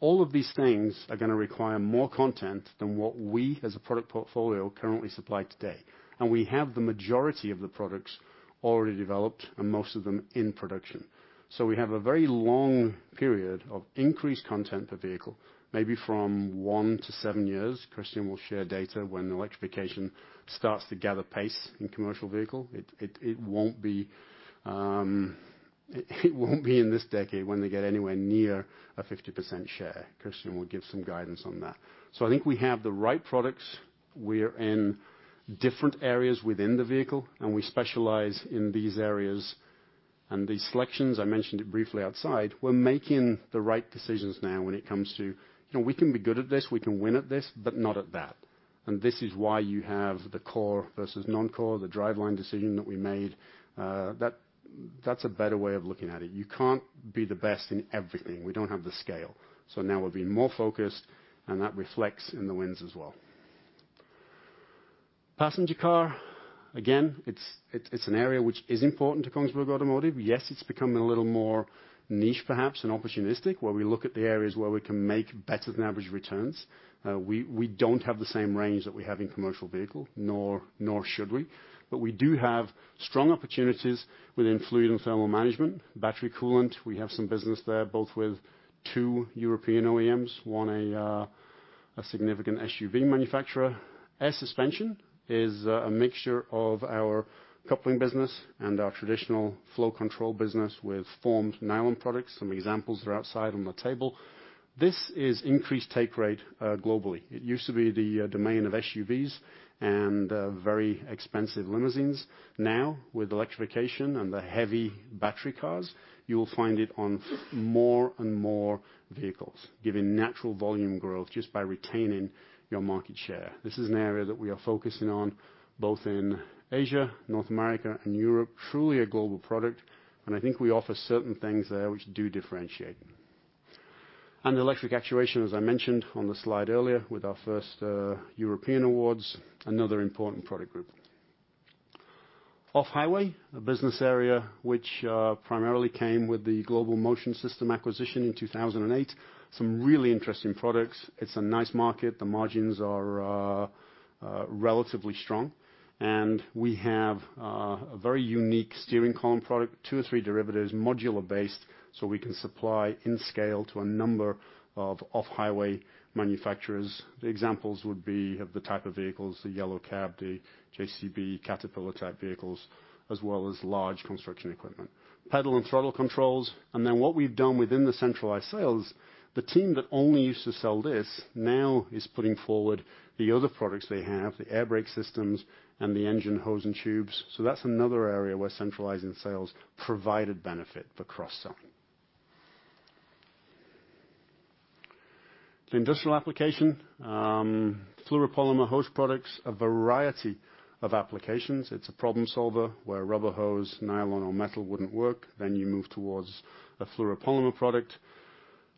All of these things are going to require more content than what we as a product portfolio currently supply today. And we have the majority of the products already developed and most of them in production. So we have a very long period of increased content per vehicle, maybe from one to seven years. Christian will share data when electrification starts to gather pace in commercial vehicle. It won't be in this decade when they get anywhere near a 50% share. Christian will give some guidance on that. So I think we have the right products. We're in different areas within the vehicle, and we specialize in these areas. And these selections, I mentioned it briefly outside. We're making the right decisions now when it comes to, we can be good at this, we can win at this, but not at that. And this is why you have the core versus non-core, the Driveline decision that we made. That's a better way of looking at it. You can't be the best in everything. We don't have the scale. So now we're being more focused, and that reflects in the wins as well. Passenger car, again, it's an area which is important to Kongsberg Automotive. Yes, it's becoming a little more niche, perhaps, and opportunistic where we look at the areas where we can make better than average returns. We don't have the same range that we have in commercial vehicle, nor should we. But we do have strong opportunities within Fluid and Thermal Management, battery coolant. We have some business there, both with two European OEMs, one a significant SUV manufacturer. Air suspension is a mixture of our coupling business and our traditional flow control business with formed nylon products. Some examples are outside on the table. This is increased take rate globally. It used to be the domain of SUVs and very expensive limousines. Now, with electrification and the heavy battery cars, you will find it on more and more vehicles, giving natural volume growth just by retaining your market share. This is an area that we are focusing on both in Asia, North America, and Europe, truly a global product, and I think we offer certain things there which do differentiate, and electric actuation, as I mentioned on the slide earlier with our first European awards, another important product group. Off-highway, a business area which primarily came with the Global Motion Systems acquisition in 2008: some really interesting products. It's a nice market. The margins are relatively strong, and we have a very unique steering column product, two or three derivatives, modular-based, so we can supply in scale to a number of off-highway manufacturers. The examples would be of the type of vehicles: the yellow cab, the JCB, Caterpillar-type vehicles, as well as large construction equipment, pedal and throttle controls, and then what we've done within the centralized sales, the team that only used to sell this now is putting forward the other products they have, the air brake systems and the engine hose and tubes, so that's another area where centralizing sales provided benefit for cross-selling. The industrial application, fluoropolymer hose products, a variety of applications. It's a problem solver where rubber hose, nylon, or metal wouldn't work. Then you move toward a fluoropolymer product,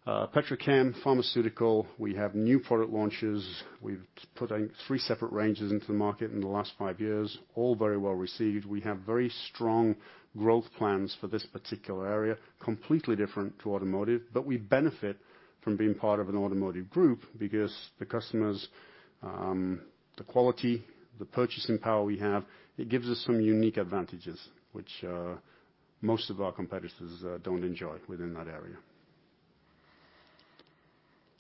petrochem, pharmaceutical, we have new product launches. We've put three separate ranges into the market in the last five years, all very well received. We have very strong growth plans for this particular area, completely different to automotive, but we benefit from being part of an automotive group because the customers, the quality, the purchasing power we have, it gives us some unique advantages which most of our competitors don't enjoy within that area.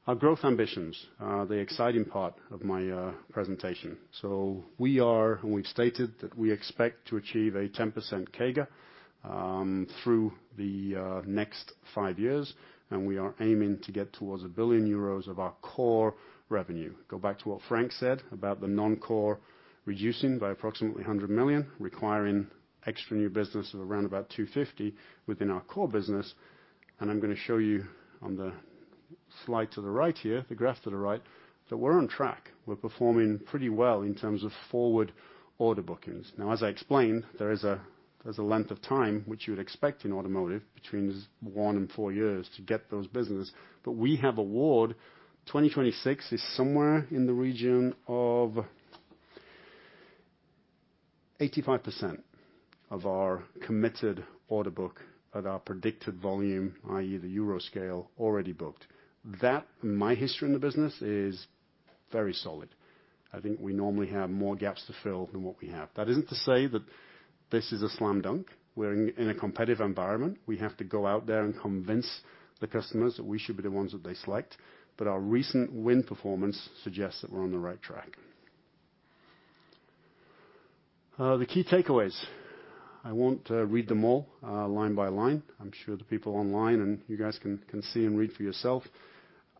Our growth ambitions, the exciting part of my presentation. So we are, and we've stated that we expect to achieve a 10% CAGR through the next five years. And we are aiming to get toward 1 billion euros of our core revenue. Go back to what Frank said about the non-core, reducing by approximately 100 million, requiring extra new business of around about 250 million within our core business. I'm going to show you on the slide to the right here, the graph to the right, that we're on track. We're performing pretty well in terms of forward order bookings. Now, as I explained, there is a length of time which you would expect in automotive between one and four years to get those business. But we have awards 2026 is somewhere in the region of 85% of our committed order book of our predicted volume, i.e., the year scale already booked. That, my history in the business is very solid. I think we normally have more gaps to fill than what we have. That isn't to say that this is a slam dunk. We're in a competitive environment. We have to go out there and convince the customers that we should be the ones that they select. Our recent win performance suggests that we're on the right track. The key takeaways. I won't read them all line by line. I'm sure the people online and you guys can see and read for yourself.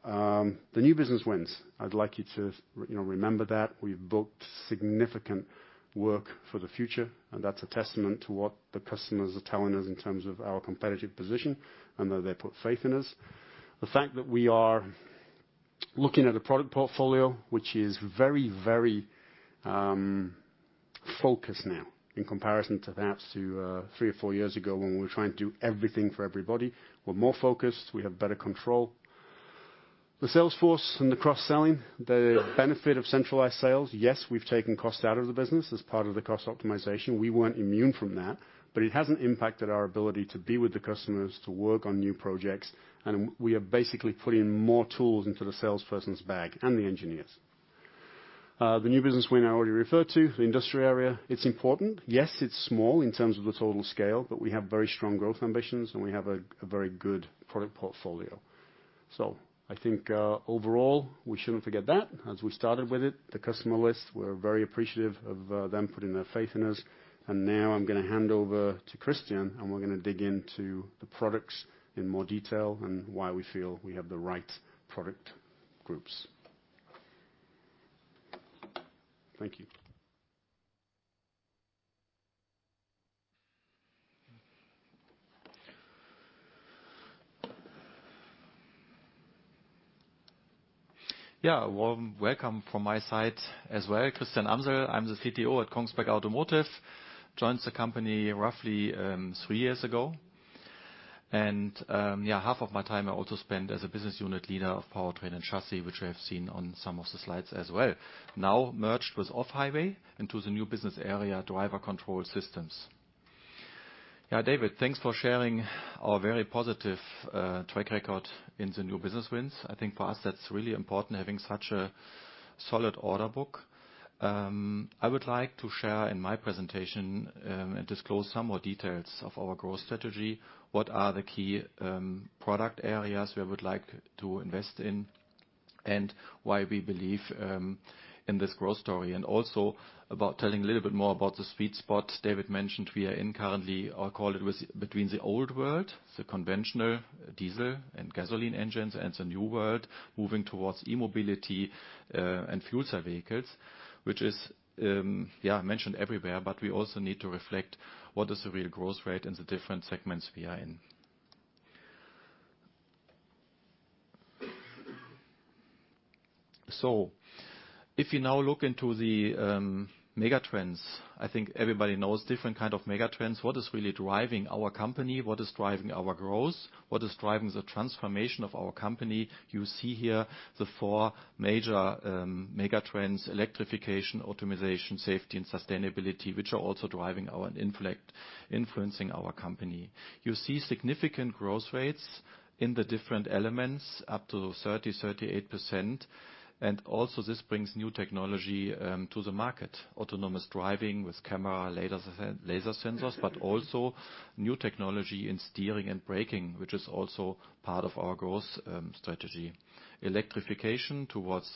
The new business wins. I'd like you to remember that we've booked significant work for the future. That's a testament to what the customers are telling us in terms of our competitive position and that they put faith in us. The fact that we are looking at a product portfolio which is very, very focused now in comparison to perhaps three or four years ago when we were trying to do everything for everybody. We're more focused. We have better control. The sales force and the cross-selling, the benefit of centralized sales. Yes, we've taken cost out of the business as part of the cost optimization. We weren't immune from that, but it hasn't impacted our ability to be with the customers, to work on new projects, and we are basically putting more tools into the salesperson's bag and the engineers. The new business win I already referred to, the industry area, it's important. Yes, it's small in terms of the total scale, but we have very strong growth ambitions and we have a very good product portfolio. So I think overall, we shouldn't forget that. As we started with it, the customer list, we're very appreciative of them putting their faith in us, and now I'm going to hand over to Christian, and we're going to dig into the products in more detail and why we feel we have the right product groups. Thank you. Yeah, welcome from my side as well. Christian Amsel, I'm the CTO at Kongsberg Automotive, joined the company roughly three years ago. Yeah, half of my time I also spent as a business unit leader of Powertrain and Chassis, which I have seen on some of the slides as well. Now merged with off-highway into the new business area, Drive Control Systems. Yeah, David, thanks for sharing our very positive track record in the new business wins. I think for us, that's really important having such a solid order book. I would like to share in my presentation and disclose some more details of our growth strategy, what are the key product areas we would like to invest in and why we believe in this growth story. And also about telling a little bit more about the sweet spot David mentioned we are in currently. I'll call it between the old world, the conventional diesel and gasoline engines, and the new world moving towards e-mobility and fuel cell vehicles, which is, yeah, mentioned everywhere, but we also need to reflect what is the real growth rate in the different segments we are in. So if you now look into the megatrends, I think everybody knows different kinds of megatrends. What is really driving our company? What is driving our growth? What is driving the transformation of our company? You see here the four major megatrends: electrification, optimization, safety, and sustainability, which are also driving our and influencing our company. You see significant growth rates in the different elements up to 30%-38%. Also this brings new technology to the market, autonomous driving with camera, laser sensors, but also new technology in steering and braking, which is also part of our growth strategy. Electrification towards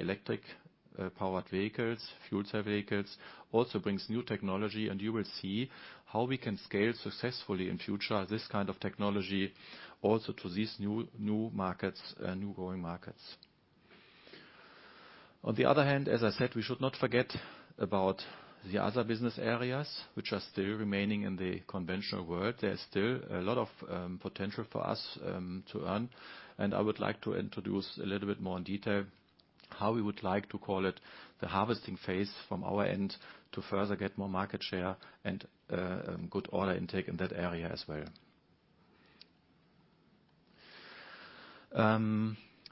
electric-powered vehicles, fuel cell vehicles also brings new technology, and you will see how we can scale successfully in future this kind of technology also to these new markets, new growing markets. On the other hand, as I said, we should not forget about the other business areas which are still remaining in the conventional world. There's still a lot of potential for us to earn. I would like to introduce a little bit more in detail how we would like to call it the harvesting phase from our end to further get more market share and good order intake in that area as well.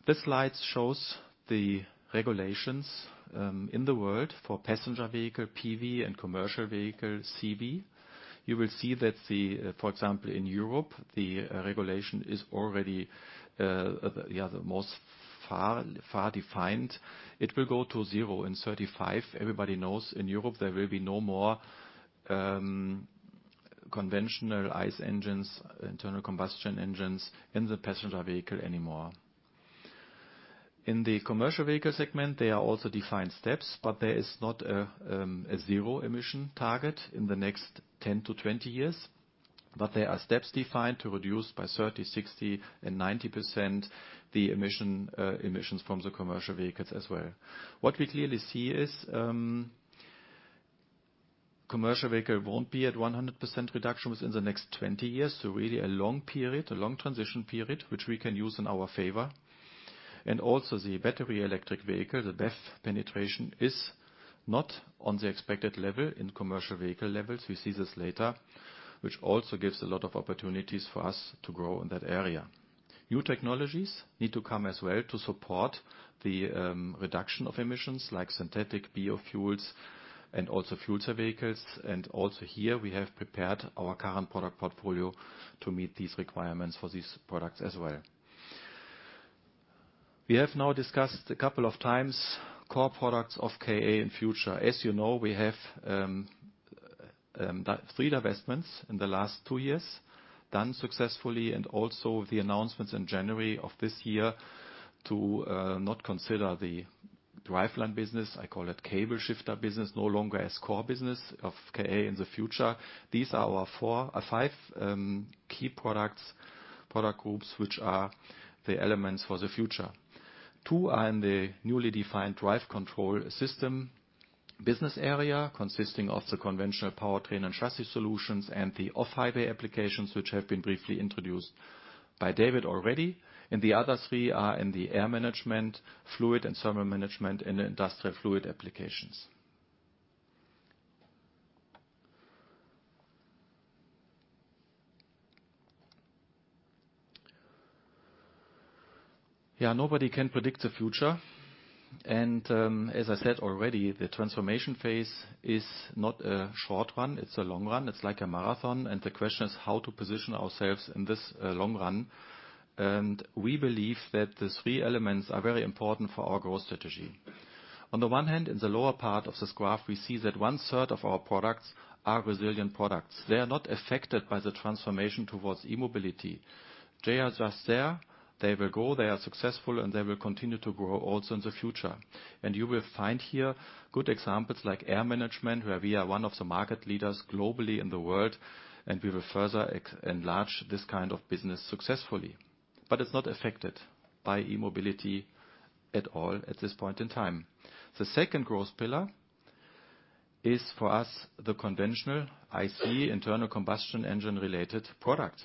This slide shows the regulations in the world for passenger vehicle PV and commercial vehicle CV. You will see that, for example, in Europe, the regulation is already the most far defined. It will go to zero in 2035. Everybody knows in Europe there will be no more conventional ICE engines, internal combustion engines in the passenger vehicle anymore. In the commercial vehicle segment, there are also defined steps, but there is not a zero emission target in the next 10 to 20 years. But there are steps defined to reduce by 30%, 60%, and 90% the emissions from the commercial vehicles as well. What we clearly see is commercial vehicle won't be at 100% reduction within the next 20 years. So really a long period, a long transition period, which we can use in our favor. And also the battery electric vehicle, the BEV penetration is not on the expected level in commercial vehicle levels. We see this later, which also gives a lot of opportunities for us to grow in that area. New technologies need to come as well to support the reduction of emissions like synthetic biofuels and also fuel cell vehicles. And also here we have prepared our current product portfolio to meet these requirements for these products as well. We have now discussed a couple of times core products of KA in future. As you know, we have three divestments in the last two years done successfully and also the announcements in January of this year to not consider the Driveline business, I call it cable shifter business, no longer as core business of KA in the future. These are our five key product groups which are the elements for the future. Two are in the newly defined Drive Control Systems business area consisting of the conventional Powertrain and Chassis Solutions and the off-highway applications which have been briefly introduced by David already, and the other three are in the Air Management, Fluid and Thermal Management, and Industrial Fluid Applications. Yeah, nobody can predict the future, and as I said already, the transformation phase is not a short run. It's a long run. It's like a marathon, and the question is how to position ourselves in this long run, and we believe that the three elements are very important for our growth strategy. On the one hand, in the lower part of this graph, we see that one third of our products are resilient products. They are not affected by the transformation towards e-mobility. They are just there. They will go. They are successful, and they will continue to grow also in the future, and you will find here good examples like Air Management, where we are one of the market leaders globally in the world, and we will further enlarge this kind of business successfully, but it's not affected by e-mobility at all at this point in time. The second growth pillar is for us the conventional ICE, internal combustion engine related products.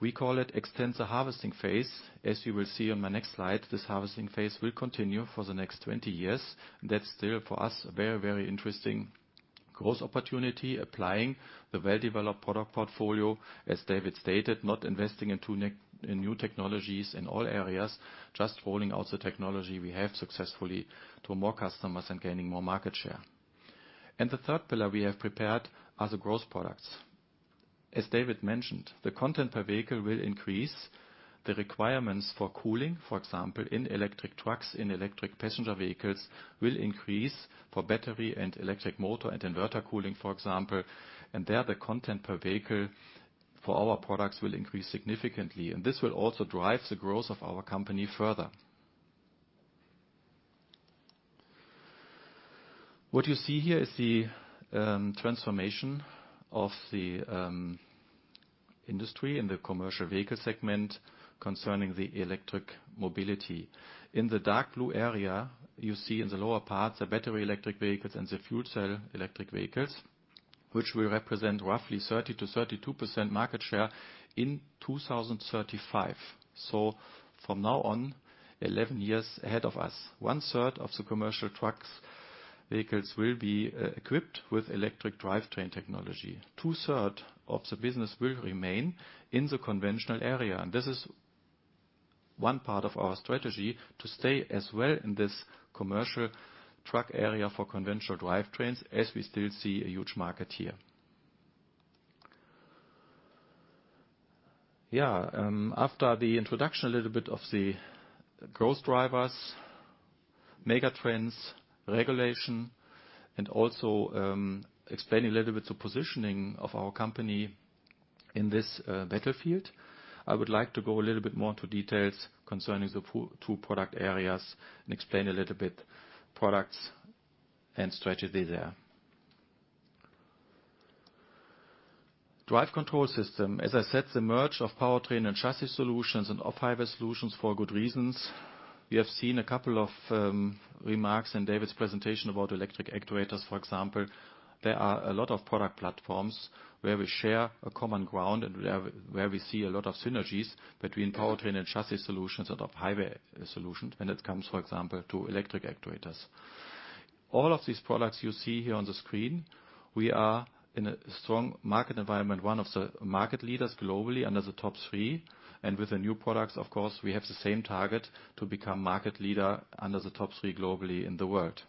We call it extension harvesting phase. As you will see on my next slide, this harvesting phase will continue for the next 20 years. That's still for us a very, very interesting growth opportunity applying the well-developed product portfolio, as David stated, not investing in new technologies in all areas, just rolling out the technology we have successfully to more customers and gaining more market share, and the third pillar we have prepared are the growth products. As David mentioned, the content per vehicle will increase. The requirements for cooling, for example, in electric trucks, in electric passenger vehicles will increase for battery and electric motor and inverter cooling, for example. And there the content per vehicle for our products will increase significantly. And this will also drive the growth of our company further. What you see here is the transformation of the industry in the commercial vehicle segment concerning the electric mobility. In the dark blue area, you see in the lower parts the battery electric vehicles and the fuel cell electric vehicles, which will represent roughly 30%-32% market share in 2035. So from now on, 11 years ahead of us, one third of the commercial trucks vehicles will be equipped with electric drivetrain technology. Two thirds of the business will remain in the conventional area. And this is one part of our strategy to stay as well in this commercial truck area for conventional drivetrains as we still see a huge market here. Yeah, after the introduction a little bit of the growth drivers, megatrends, regulation, and also explaining a little bit the positioning of our company in this battlefield, I would like to go a little bit more into details concerning the two product areas and explain a little bit products and strategy there. Drive Control Systems. As I said, the merger of Powertrain and Chassis Solutions and Off-Highway Solutions for good reasons. We have seen a couple of remarks in David's presentation about electric actuators, for example. There are a lot of product platforms where we share a common ground and where we see a lot of synergies between Powertrain and Chassis Solutions and Off-Highway Solutions when it comes, for example, to electric actuators. All of these products you see here on the screen. We are in a strong market environment, one of the market leaders globally under the top three, and with the new products, of course, we have the same target to become market leader under the top three globally in the world.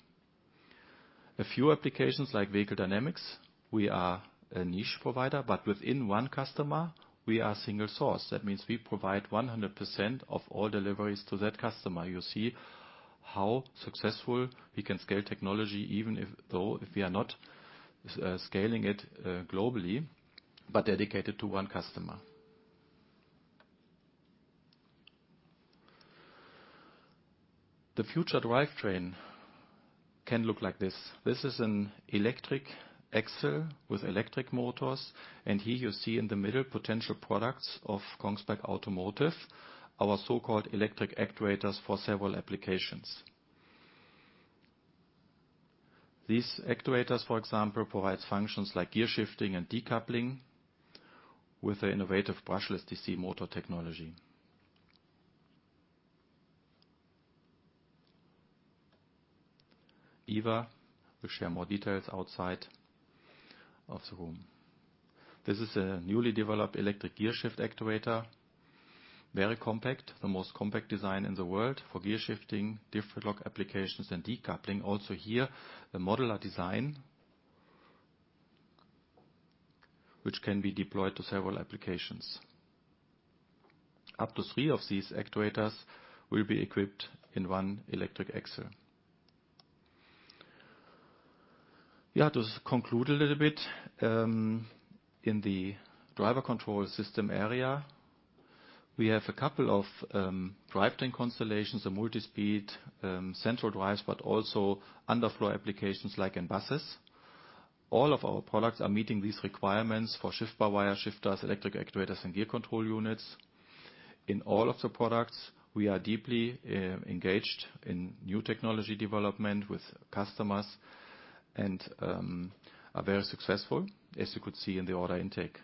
A few applications like vehicle dynamics. We are a niche provider, but within one customer, we are single source. That means we provide 100% of all deliveries to that customer. You see how successful we can scale technology even though if we are not scaling it globally, but dedicated to one customer. The future drivetrain can look like this. This is an electric axle with electric motors. And here you see in the middle potential products of Kongsberg Automotive, our so-called electric actuators for several applications. These actuators, for example, provide functions like gear shifting and decoupling with an innovative brushless DC motor technology. Eva will share more details outside of the room. This is a newly developed electric gear shift actuator, very compact, the most compact design in the world for gear shifting, different lock applications, and decoupling. Also here, a modular design which can be deployed to several applications. Up to three of these actuatDriver Control Systemors will be equipped in one electric axle. Yeah, to conclude a little bit in the area, we have a couple of drivetrain constellations, a multi-speed central drives, but also underfloor applications like in buses. All of our products are meeting these requirements for shift-by-wire shifters, electric actuators, and gear control units. In all of the products, we are deeply engaged in new technology development with customers and are very successful, as you could see in the order intake.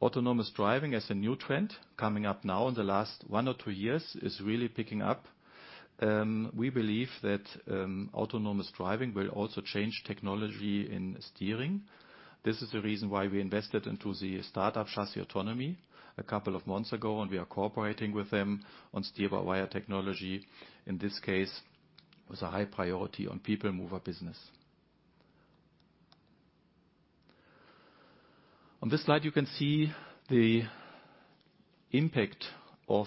Autonomous driving as a new trend coming up now in the last one or two years is really picking up. We believe that autonomous driving will also change technology in steering. This is the reason why we invested into the startup Chassis Autonomy a couple of months ago, and we are cooperating with them on steer-by-wire technology. In this case, it was a high priority on people mover business. On this slide, you can see the impact of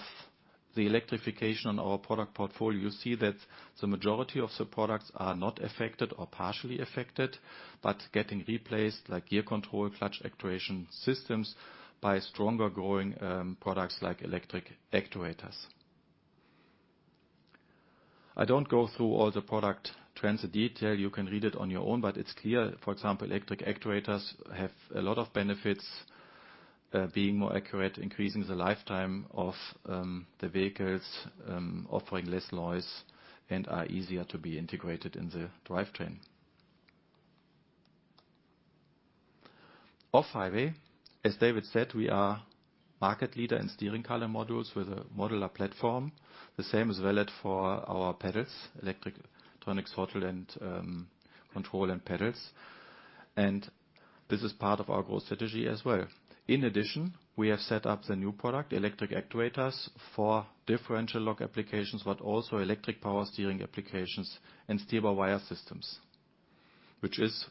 the electrification on our product portfolio. You see that the majority of the products are not affected or partially affected, but getting replaced like gear control clutch actuation systems by stronger growing products like electric actuators. I don't go through all the product trends in detail. You can read it on your own, but it's clear, for example, electric actuators have a lot of benefits being more accurate, increasing the lifetime of the vehicles, offering less noise, and are easier to be integrated in the drivetrain. Off-highway, as David said, we are market leader in steering column modules with a modular platform. The same is valid for our pedals, electronic throttle control and pedals. This is part of our growth strategy as well. In addition, we have set up the new product, electric actuators for differential lock applications, but also electric power steering applications and steer-by-wire systems, which is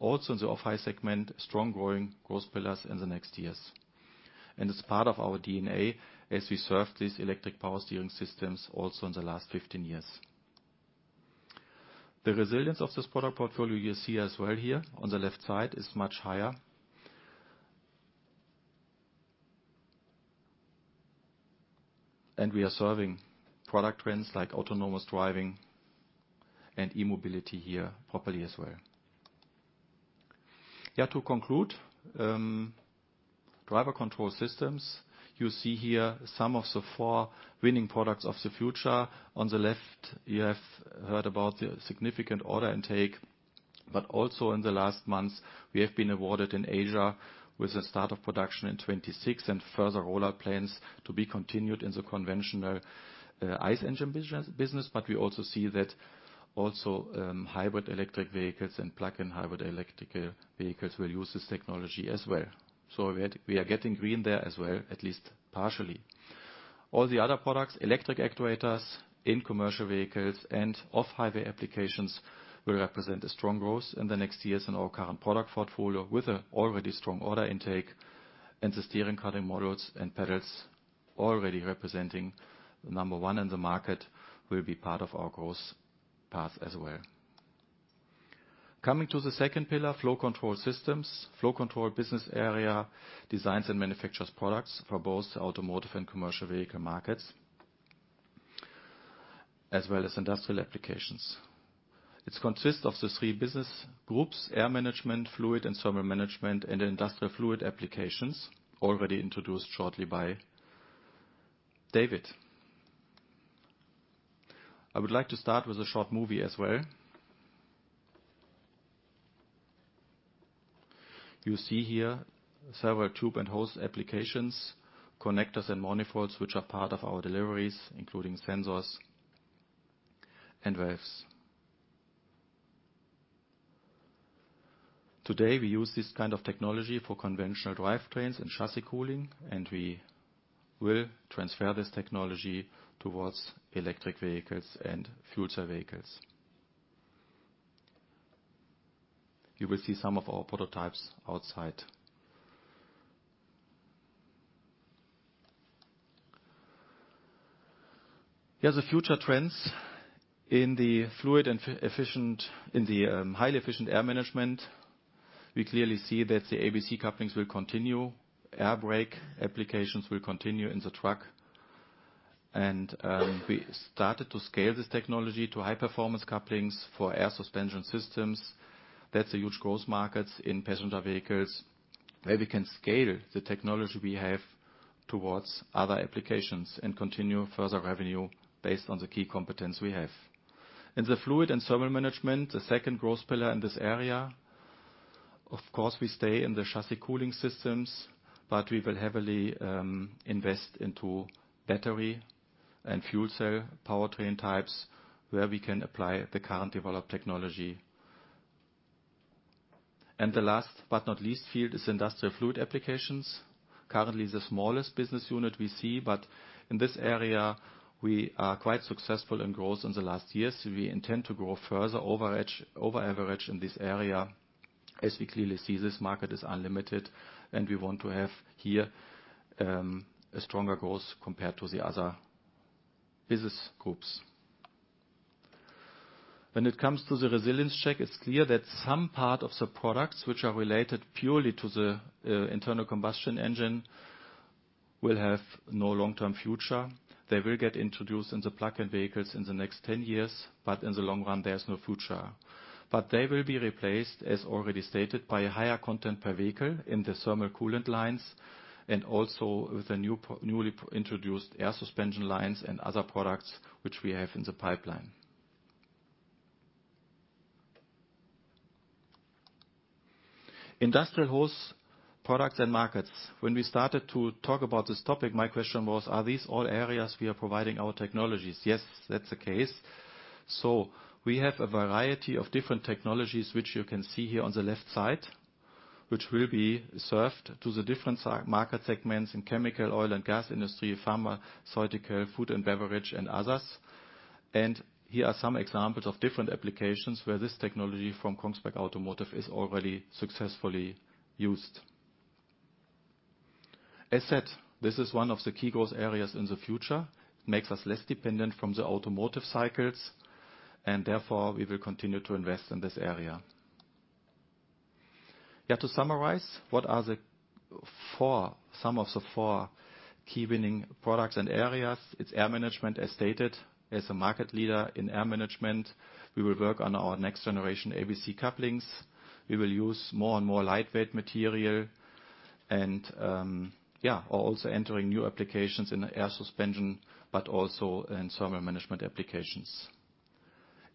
also in the off-highway segment, strong growing growth pillars in the next years. And it's part of our DNA as we serve these electric power steering systems also in the last 15 years. The resilience of this product portfolio you see as well here on the left side is much higher. And we are serving product trends like autonomous driving and e-mobility here properly as well. Yeah, to conclude, Drive Control Systems, you see here some of the four winning products of the future. On the left, you have heard about the significant order intake, but also in the last months, we have been awarded in Asia with the start of production in 2026 and further rollout plans to be continued in the conventional ICE engine business, but we also see that also hybrid electric vehicles and plug-in hybrid electric vehicles will use this technology as well, so we are getting green there as well, at least partially. All the other products, electric actuators in commercial vehicles and off-highway applications, will represent a strong growth in the next years in our current product portfolio with an already strong order intake, and the steering control modules and pedals already representing number one in the market will be part of our growth path as well. Coming to the second pillar, Flow Control Systems, Flow Control business area designs and manufactures products for both automotive and commercial vehicle markets, as well as industrial applications. It consists of the three business groups, Air Management, Fluid, and Thermal Management, and Industrial Fluid Applications already introduced shortly by David. I would like to start with a short movie as well. You see here several tube and hose applications, connectors, and manifolds, which are part of our deliveries, including sensors and valves. Today, we use this kind of technology for conventional drivetrains and chassis cooling, and we will transfer this technology towards electric vehicles and fuel cell vehicles. You will see some of our prototypes outside. Here are the future trends in the fluid and highly efficient Air Management. We clearly see that the ABC couplings will continue, air brake applications will continue in the truck, and we started to scale this technology to high-performance couplings for air suspension systems. That's a huge growth market in passenger vehicles where we can scale the technology we have towards other applications and continue further revenue based on the key competence we have. In the Fluid and Thermal Management, the second growth pillar in this area, of course, we stay in the chassis cooling systems, but we will heavily invest into battery and fuel cell powertrain types where we can apply the current developed technology. And the last but not least field is Industrial Fluid Applications. Currently, the smallest business unit we see, but in this area, we are quite successful in growth in the last years. We intend to grow further, over-average in this area as we clearly see this market is unlimited, and we want to have here a stronger growth compared to the other business groups. When it comes to the resilience check, it's clear that some part of the products which are related purely to the internal combustion engine will have no long-term future. They will get introduced in the plug-in vehicles in the next 10 years, but in the long run, there's no future. But they will be replaced, as already stated, by a higher content per vehicle in the thermal coolant lines and also with the newly introduced air suspension lines and other products which we have in the pipeline. Industrial hose products and markets. When we started to talk about this topic, my question was, are these all areas we are providing our technologies? Yes, that's the case. We have a variety of different technologies which you can see here on the left side, which will be served to the different market segments in chemical, oil, and gas industry, pharmaceutical, food and beverage, and others. Here are some examples of different applications where this technology from Kongsberg Automotive is already successfully used. As said, this is one of the key growth areas in the future. It makes us less dependent from the automotive cycles, and therefore, we will continue to invest in this area. Yeah, to summarize, what are some of the four key winning products and areas? It's Air Management, as stated, as a market leader in Air Management. We will work on our next generation ABC couplings. We will use more and more lightweight material, and yeah, also entering new applications in air suspension, but also in thermal management applications.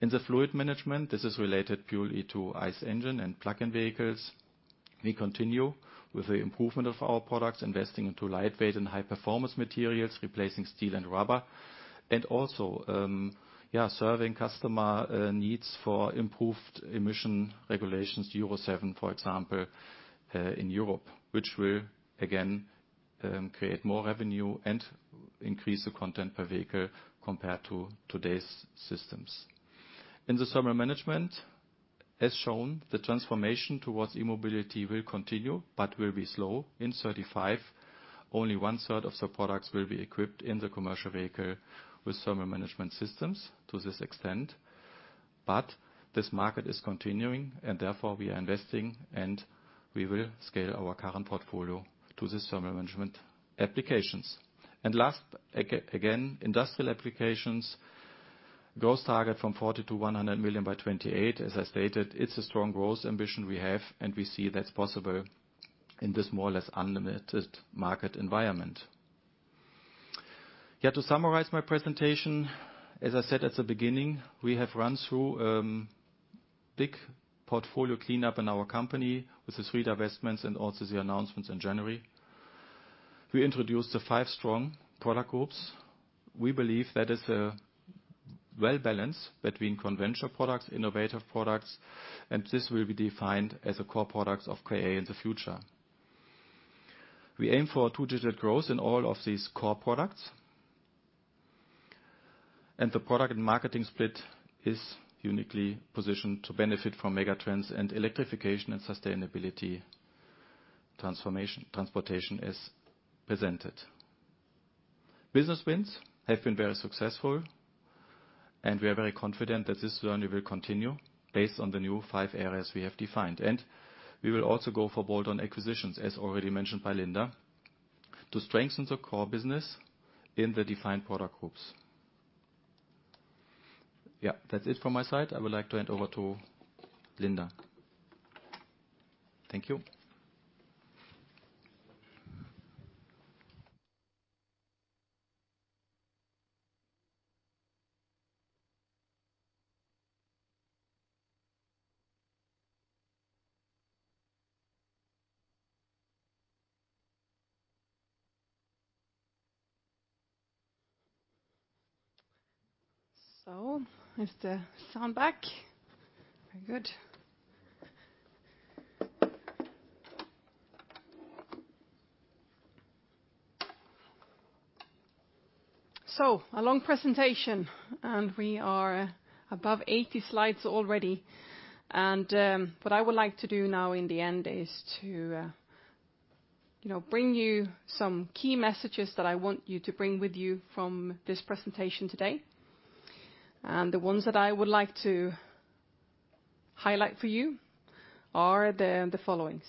In the fluid management, this is related purely to ICE engine and plug-in vehicles. We continue with the improvement of our products, investing into lightweight and high-performance materials, replacing steel and rubber, and also, yeah, serving customer needs for improved emission regulations, Euro 7, for example, in Europe, which will, again, create more revenue and increase the content per vehicle compared to today's systems. In the thermal management, as shown, the transformation towards e-mobility will continue, but will be slow. In 2035, only one-third of the products will be equipped in the commercial vehicle with thermal management systems to this extent. But this market is continuing, and therefore, we are investing, and we will scale our current portfolio to the thermal management applications. Last, again, industrial applications, growth target from 40 to 100 million by 2028. As I stated, it's a strong growth ambition we have, and we see that's possible in this more or less unlimited market environment. Yeah, to summarize my presentation, as I said at the beginning, we have run through a big portfolio cleanup in our company with the three divestments and also the announcements in January. We introduced the five strong product groups. We believe that is a well-balanced between conventional products, innovative products, and this will be defined as a core product of KA in the future. We aim for two-digit growth in all of these core products. And the product and marketing split is uniquely positioned to benefit from megatrends and electrification and sustainability transformation transportation as presented. Business wins have been very successful, and we are very confident that this journey will continue based on the new five areas we have defined. We will also go for bolt-on acquisitions, as already mentioned by Linda, to strengthen the core business in the defined product groups. Yeah, that's it from my side. I would like to hand over to Linda. Thank you. Is the sound back? Very good. A long presentation, and we are above 80 slides already. What I would like to do now in the end is to bring you some key messages that I want you to bring with you from this presentation today. The ones that I would like to highlight for you are the following.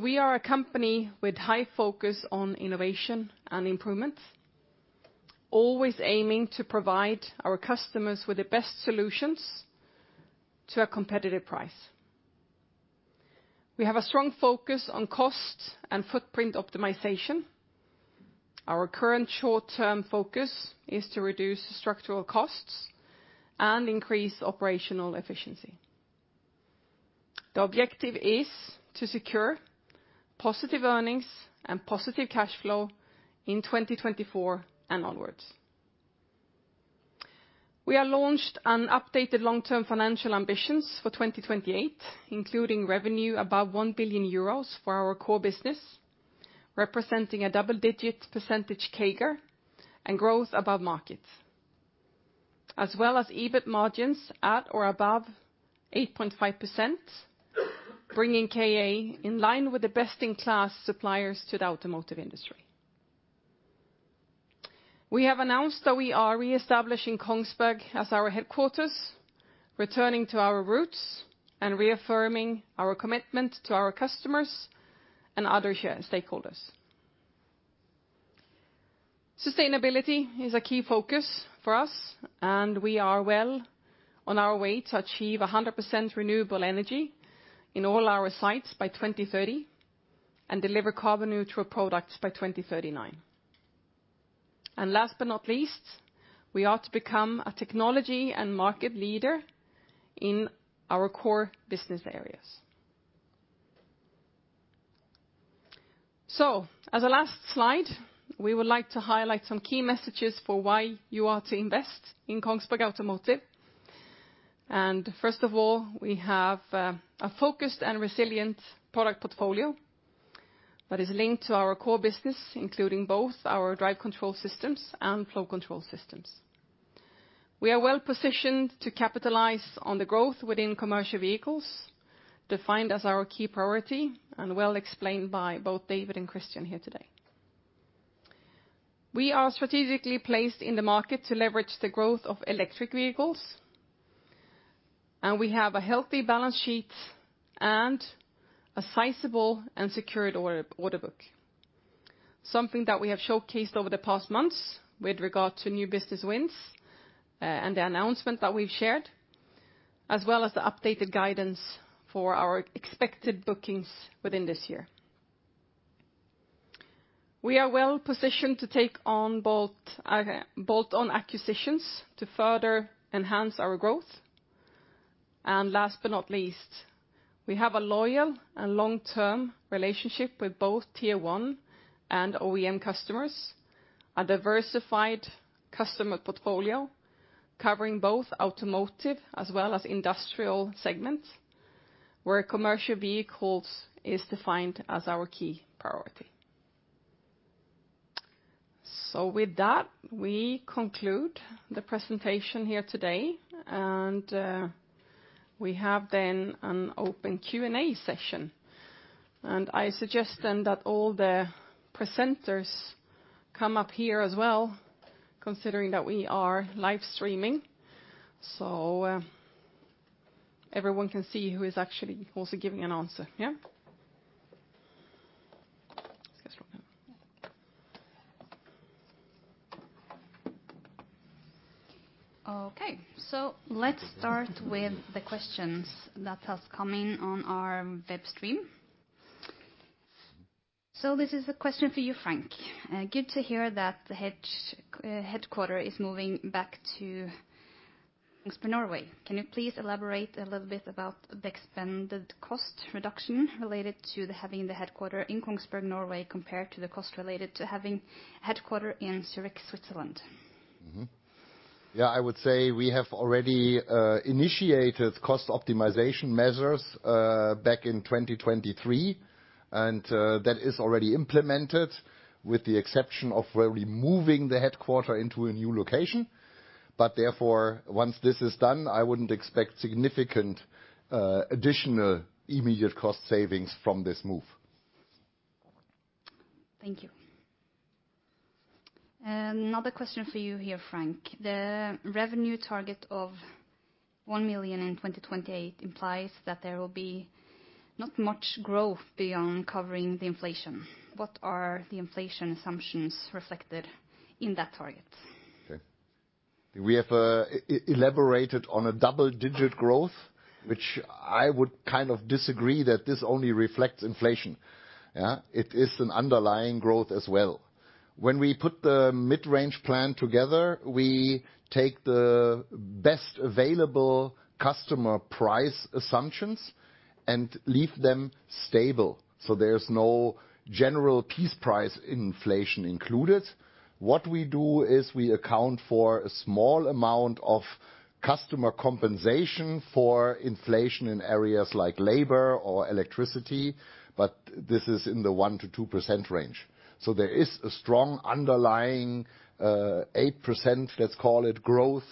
We are a company with high focus on innovation and improvement, always aiming to provide our customers with the best solutions to a competitive price. We have a strong focus on cost and footprint optimization. Our current short-term focus is to reduce structural costs and increase operational efficiency. The objective is to secure positive earnings and positive cash flow in 2024 and onwards. We have launched an updated long-term financial ambition for 2028, including revenue above 1 billion euros for our core business, representing a double-digit percentage CAGR and growth above market, as well as EBIT margins at or above 8.5%, bringing KA in line with the best-in-class suppliers to the automotive industry. We have announced that we are reestablishing Kongsberg as our headquarters, returning to our roots, and reaffirming our commitment to our customers and other stakeholders. Sustainability is a key focus for us, and we are well on our way to achieve 100% renewable energy in all our sites by 2030 and deliver carbon-neutral products by 2039, and last but not least, we are to become a technology and market leader in our core business areas, so as a last slide, we would like to highlight some key messages for why you ought to invest in Kongsberg Automotive. First of all, we have a focused and resilient product portfolio that is linked to our core business, including both our Drive Control Systems and Flow Control Systems. We are well positioned to capitalize on the growth within commercial vehicles, defined as our key priority and well explained by both David and Christian here today. We are strategically placed in the market to leverage the growth of electric vehicles, and we have a healthy balance sheet and a sizable and secured order book, something that we have showcased over the past months with regard to new business wins and the announcement that we've shared, as well as the updated guidance for our expected bookings within this year. We are well positioned to take on bolt-on acquisitions to further enhance our growth. Last but not least, we have a loyal and long-term relationship with both Tier 1 and OEM customers, a diversified customer portfolio covering both automotive as well as industrial segments where commercial vehicles are defined as our key priority. With that, we conclude the presentation here today, and we have then an open Q&A session. I suggest then that all the presenters come up here as well, considering that we are live streaming, so everyone can see who is actually also giving an answer. Yeah? Okay. Let's start with the questions that have come in on our web stream. This is a question for you, Frank. Good to hear that the headquarters is moving back to Kongsberg, Norway. Can you please elaborate a little bit about the expanded cost reduction related to having the headquarters in Kongsberg, Norway, compared to the cost related to having headquarters in Zurich, Switzerland? Yeah, I would say we have already initiated cost optimization measures back in 2023, and that is already implemented with the exception of removing the headquarters into a new location. But therefore, once this is done, I wouldn't expect significant additional immediate cost savings from this move. Thank you. Another question for you here, Frank. The revenue target of 1 million in 2028 implies that there will be not much growth beyond covering the inflation. What are the inflation assumptions reflected in that target? Okay. We have elaborated on a double-digit growth, which I would kind of disagree that this only reflects inflation. Yeah, it is an underlying growth as well. When we put the mid-range plan together, we take the best available customer price assumptions and leave them stable. So there's no general piece price inflation included. What we do is we account for a small amount of customer compensation for inflation in areas like labor or electricity, but this is in the 1%-2% range. So there is a strong underlying 8%, let's call it, growth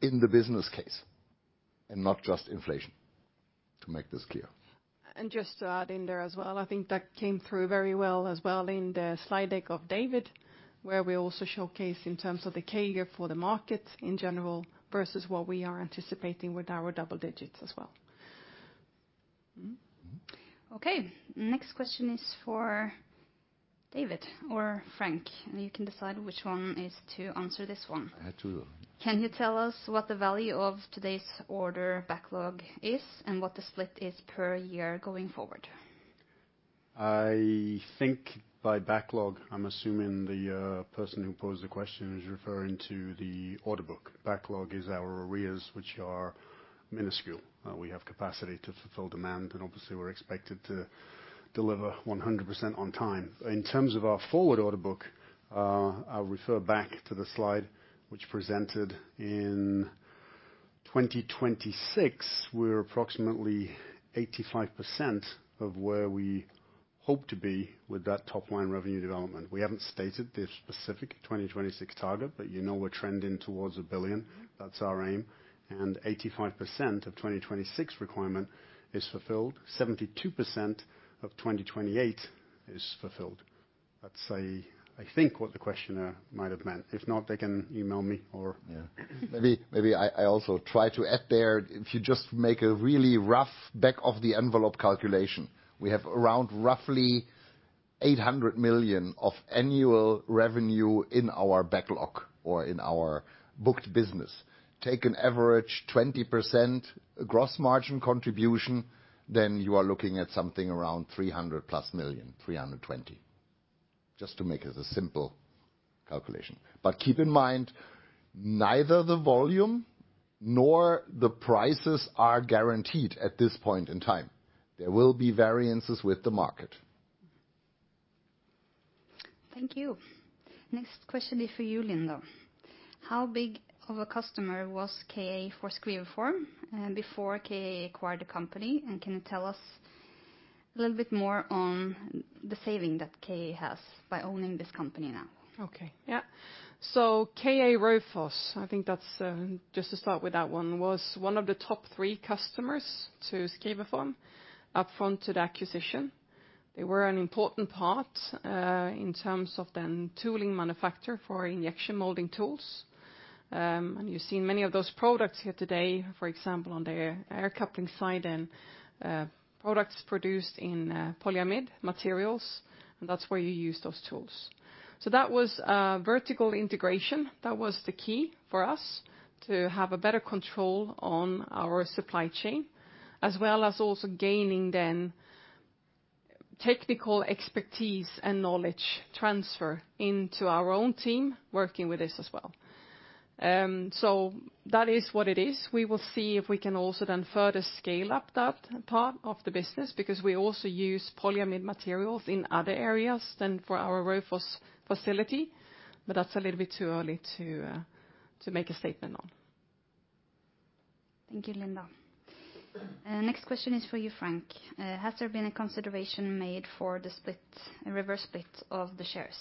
in the business case and not just inflation, to make this clear. And just to add in there as well, I think that came through very well as well in the slide deck of David, where we also showcase in terms of the KA for the market in general versus what we are anticipating with our double digits as well. Okay. Next question is for David or Frank, and you can decide which one is to answer this one. I had to. Can you tell us what the value of today's order backlog is and what the split is per year going forward? I think by backlog, I'm assuming the person who posed the question is referring to the order book. Backlog is our arrears, which are minuscule. We have capacity to fulfill demand, and obviously, we're expected to deliver 100% on time. In terms of our forward order book, I'll refer back to the slide which presented in 2026. We're approximately 85% of where we hope to be with that top-line revenue development. We haven't stated the specific 2026 target, but we're trending towards a billion. That's our aim. And 85% of 2026 requirement is fulfilled. 72% of 2028 is fulfilled. That's, I think, what the questionnaire might have meant. If not, they can email me or. Yeah. Maybe I also try to add there, if you just make a really rough back-of-the-envelope calculation, we have around roughly 800 million of annual revenue in our backlog or in our booked business. Take an average 20% gross margin contribution, then you are looking at something around 300 plus million, 320, just to make it a simple calculation. But keep in mind, neither the volume nor the prices are guaranteed at this point in time. There will be variances with the market. Thank you. Next question is for you, Linda. How big of a customer was KA for Skriverform before KA acquired the company? And can you tell us a little bit more on the savings that KA has by owning this company now? Okay. Yeah. So KA Raufoss, I think that's just to start with that one, was one of the top three customers to Skriverform upfront to the acquisition. They were an important part in terms of then tooling manufacturer for injection molding tools. And you've seen many of those products here today, for example, on the air coupling side and products produced in polyamide materials, and that's where you use those tools. So that was vertical integration. That was the key for us to have a better control on our supply chain, as well as also gaining then technical expertise and knowledge transfer into our own team working with this as well. So that is what it is. We will see if we can also then further scale up that part of the business because we also use polyamide materials in other areas than for our Raufoss facility, but that's a little bit too early to make a statement on. Thank you, Linda. Next question is for you, Frank. Has there been a consideration made for the reverse split of the shares?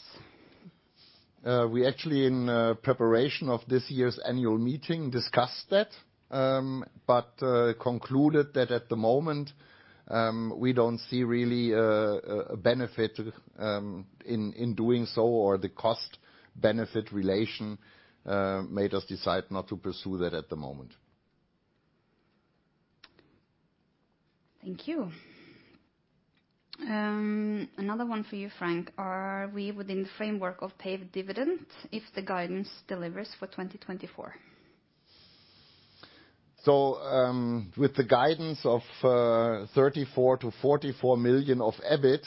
We actually, in preparation of this year's annual meeting, discussed that but concluded that at the moment, we don't see really a benefit in doing so or the cost-benefit relation made us decide not to pursue that at the moment. Thank you. Another one for you, Frank. Are we within the framework of paid dividend if the guidance delivers for 2024? So with the guidance of 34- 44 million of EBIT,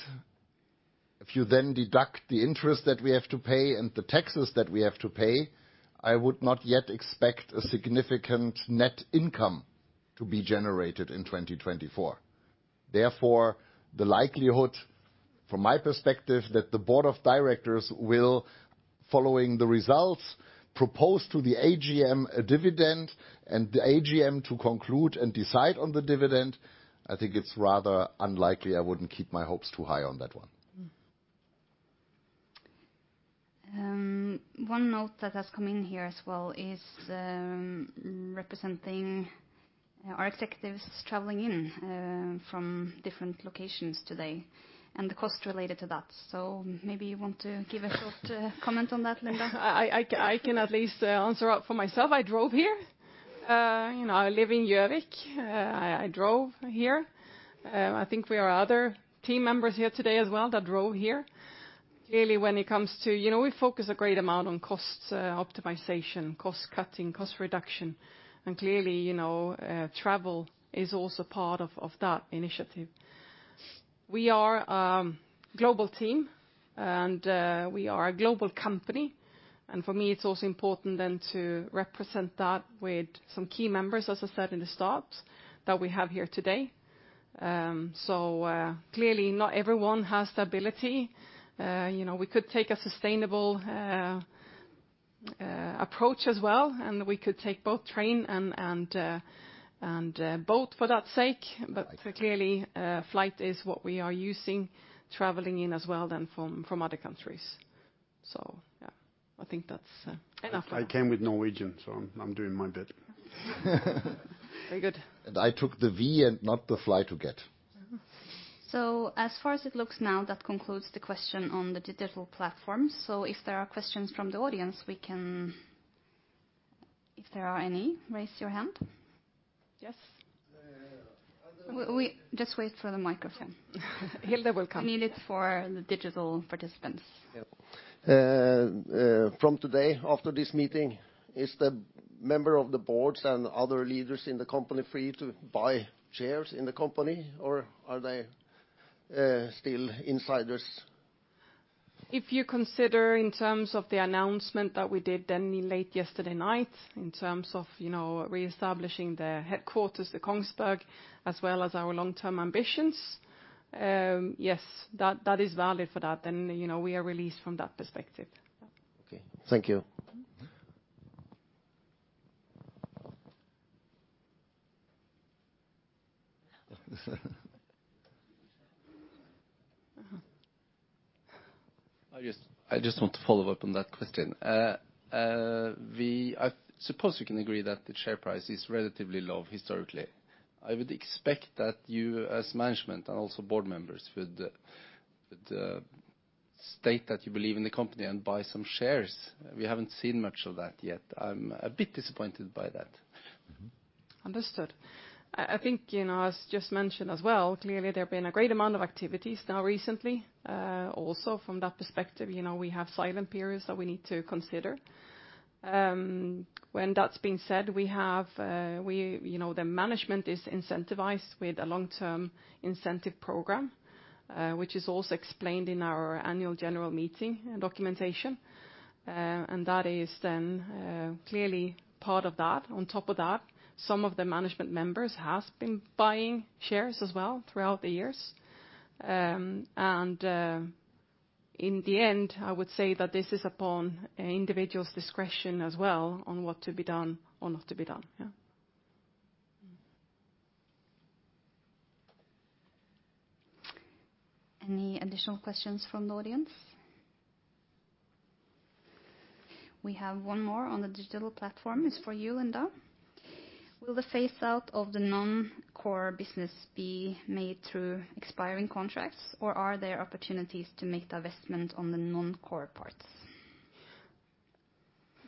if you then deduct the interest that we have to pay and the taxes that we have to pay, I would not yet expect a significant net income to be generated in 2024. Therefore, the likelihood, from my perspective, that the board of directors will, following the results, propose to the AGM a dividend and the AGM to conclude and decide on the dividend, I think it's rather unlikely. I wouldn't keep my hopes too high on that one. One note that has come in here as well is representing our executives traveling in from different locations today and the cost related to that. So maybe you want to give a short comment on that, Linda? I can at least answer up for myself. I drove here. I live in Zurich. I drove here. I think we are other team members here today as well that drove here. Clearly, when it comes to we focus a great amount on cost optimization, cost cutting, cost reduction, and clearly, travel is also part of that initiative. We are a global team, and we are a global company. And for me, it's also important then to represent that with some key members, as I said in the start, that we have here today. So clearly, not everyone has the ability. We could take a sustainable approach as well, and we could take both train and boat for that sake. But clearly, flight is what we are using, traveling in as well then from other countries. So yeah, I think that's enough. I came with Norwegian, so I'm doing my bit. Very good. I took the Vy and not the Flytoget. So as far as it looks now, that concludes the question on the digital platforms. So if there are questions from the audience, we can if there are any, raise your hand. Yes? Just wait for the microphone. Hilde will come. Need it for the digital participants. From today, after this meeting, are the members of the board and other leaders in the company free to buy shares in the company, or are they still insiders? If you consider in terms of the announcement that we did then late yesterday night in terms of reestablishing the headquarters to Kongsberg, as well as our long-term ambitions, yes, that is valid for that. Then we are released from that perspective. Okay. Thank you. I just want to follow up on that question. I suppose we can agree that the share price is relatively low historically. I would expect that you as management and also board members would state that you believe in the company and buy some shares. We haven't seen much of that yet. I'm a bit disappointed by that. Understood. I think, as just mentioned as well, clearly there have been a great amount of activities now recently. Also, from that perspective, we have silent periods that we need to consider. When that's been said, the management is incentivized with a long-term incentive program, which is also explained in our Annual General Meeting documentation. And that is then clearly part of that. On top of that, some of the management members have been buying shares as well throughout the years. And in the end, I would say that this is upon individuals' discretion as well on what to be done or not to be done. Yeah. Any additional questions from the audience? We have one more on the digital platform. It's for you, Linda. Will the phase-out of the non-core business be made through expiring contracts, or are there opportunities to make the divestment on the non-core parts?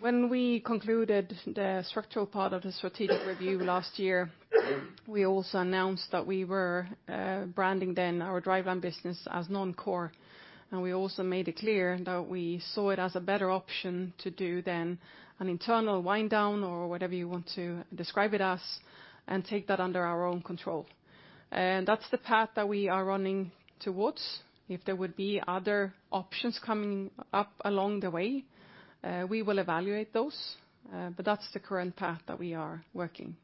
When we concluded the structural part of the strategic review last year, we also announced that we were branding then our Driveline business as non-core, and we also made it clear that we saw it as a better option to do then an internal wind down or whatever you want to describe it as and take that under our own control, and that's the path that we are running towards. If there would be other options coming up along the way, we will evaluate those, but that's the current path that we are working with.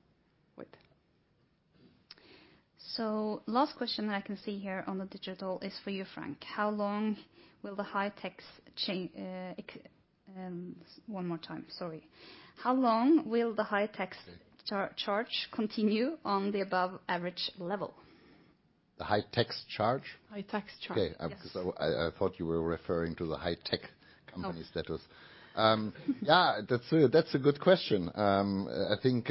So, last question that I can see here on the digital is for you, Frank. How long will the high tax charge continue on the above-average level? The high tax charge? High tax charge. Okay. I thought you were referring to the high-tech company status. Yeah, that's a good question. I think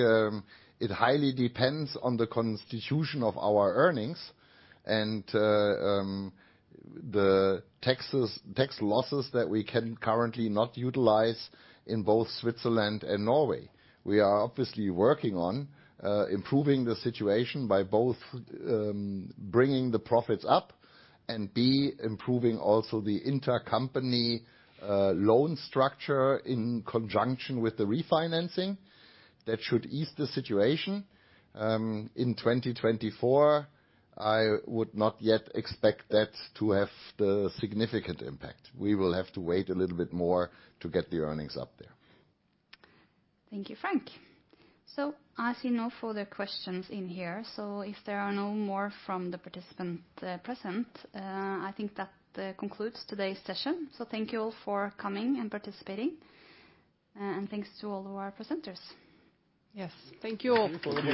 it highly depends on the constitution of our earnings and the tax losses that we can currently not utilize in both Switzerland and Norway. We are obviously working on improving the situation by both bringing the profits up and by improving also the intercompany loan structure in conjunction with the refinancing that should ease the situation. In 2024, I would not yet expect that to have the significant impact. We will have to wait a little bit more to get the earnings up there. Thank you, Frank, so as you know, further questions in here, so if there are no more from the participants present, I think that concludes today's session, so thank you all for coming and participating, and thanks to all of our presenters. Yes. Thank you all.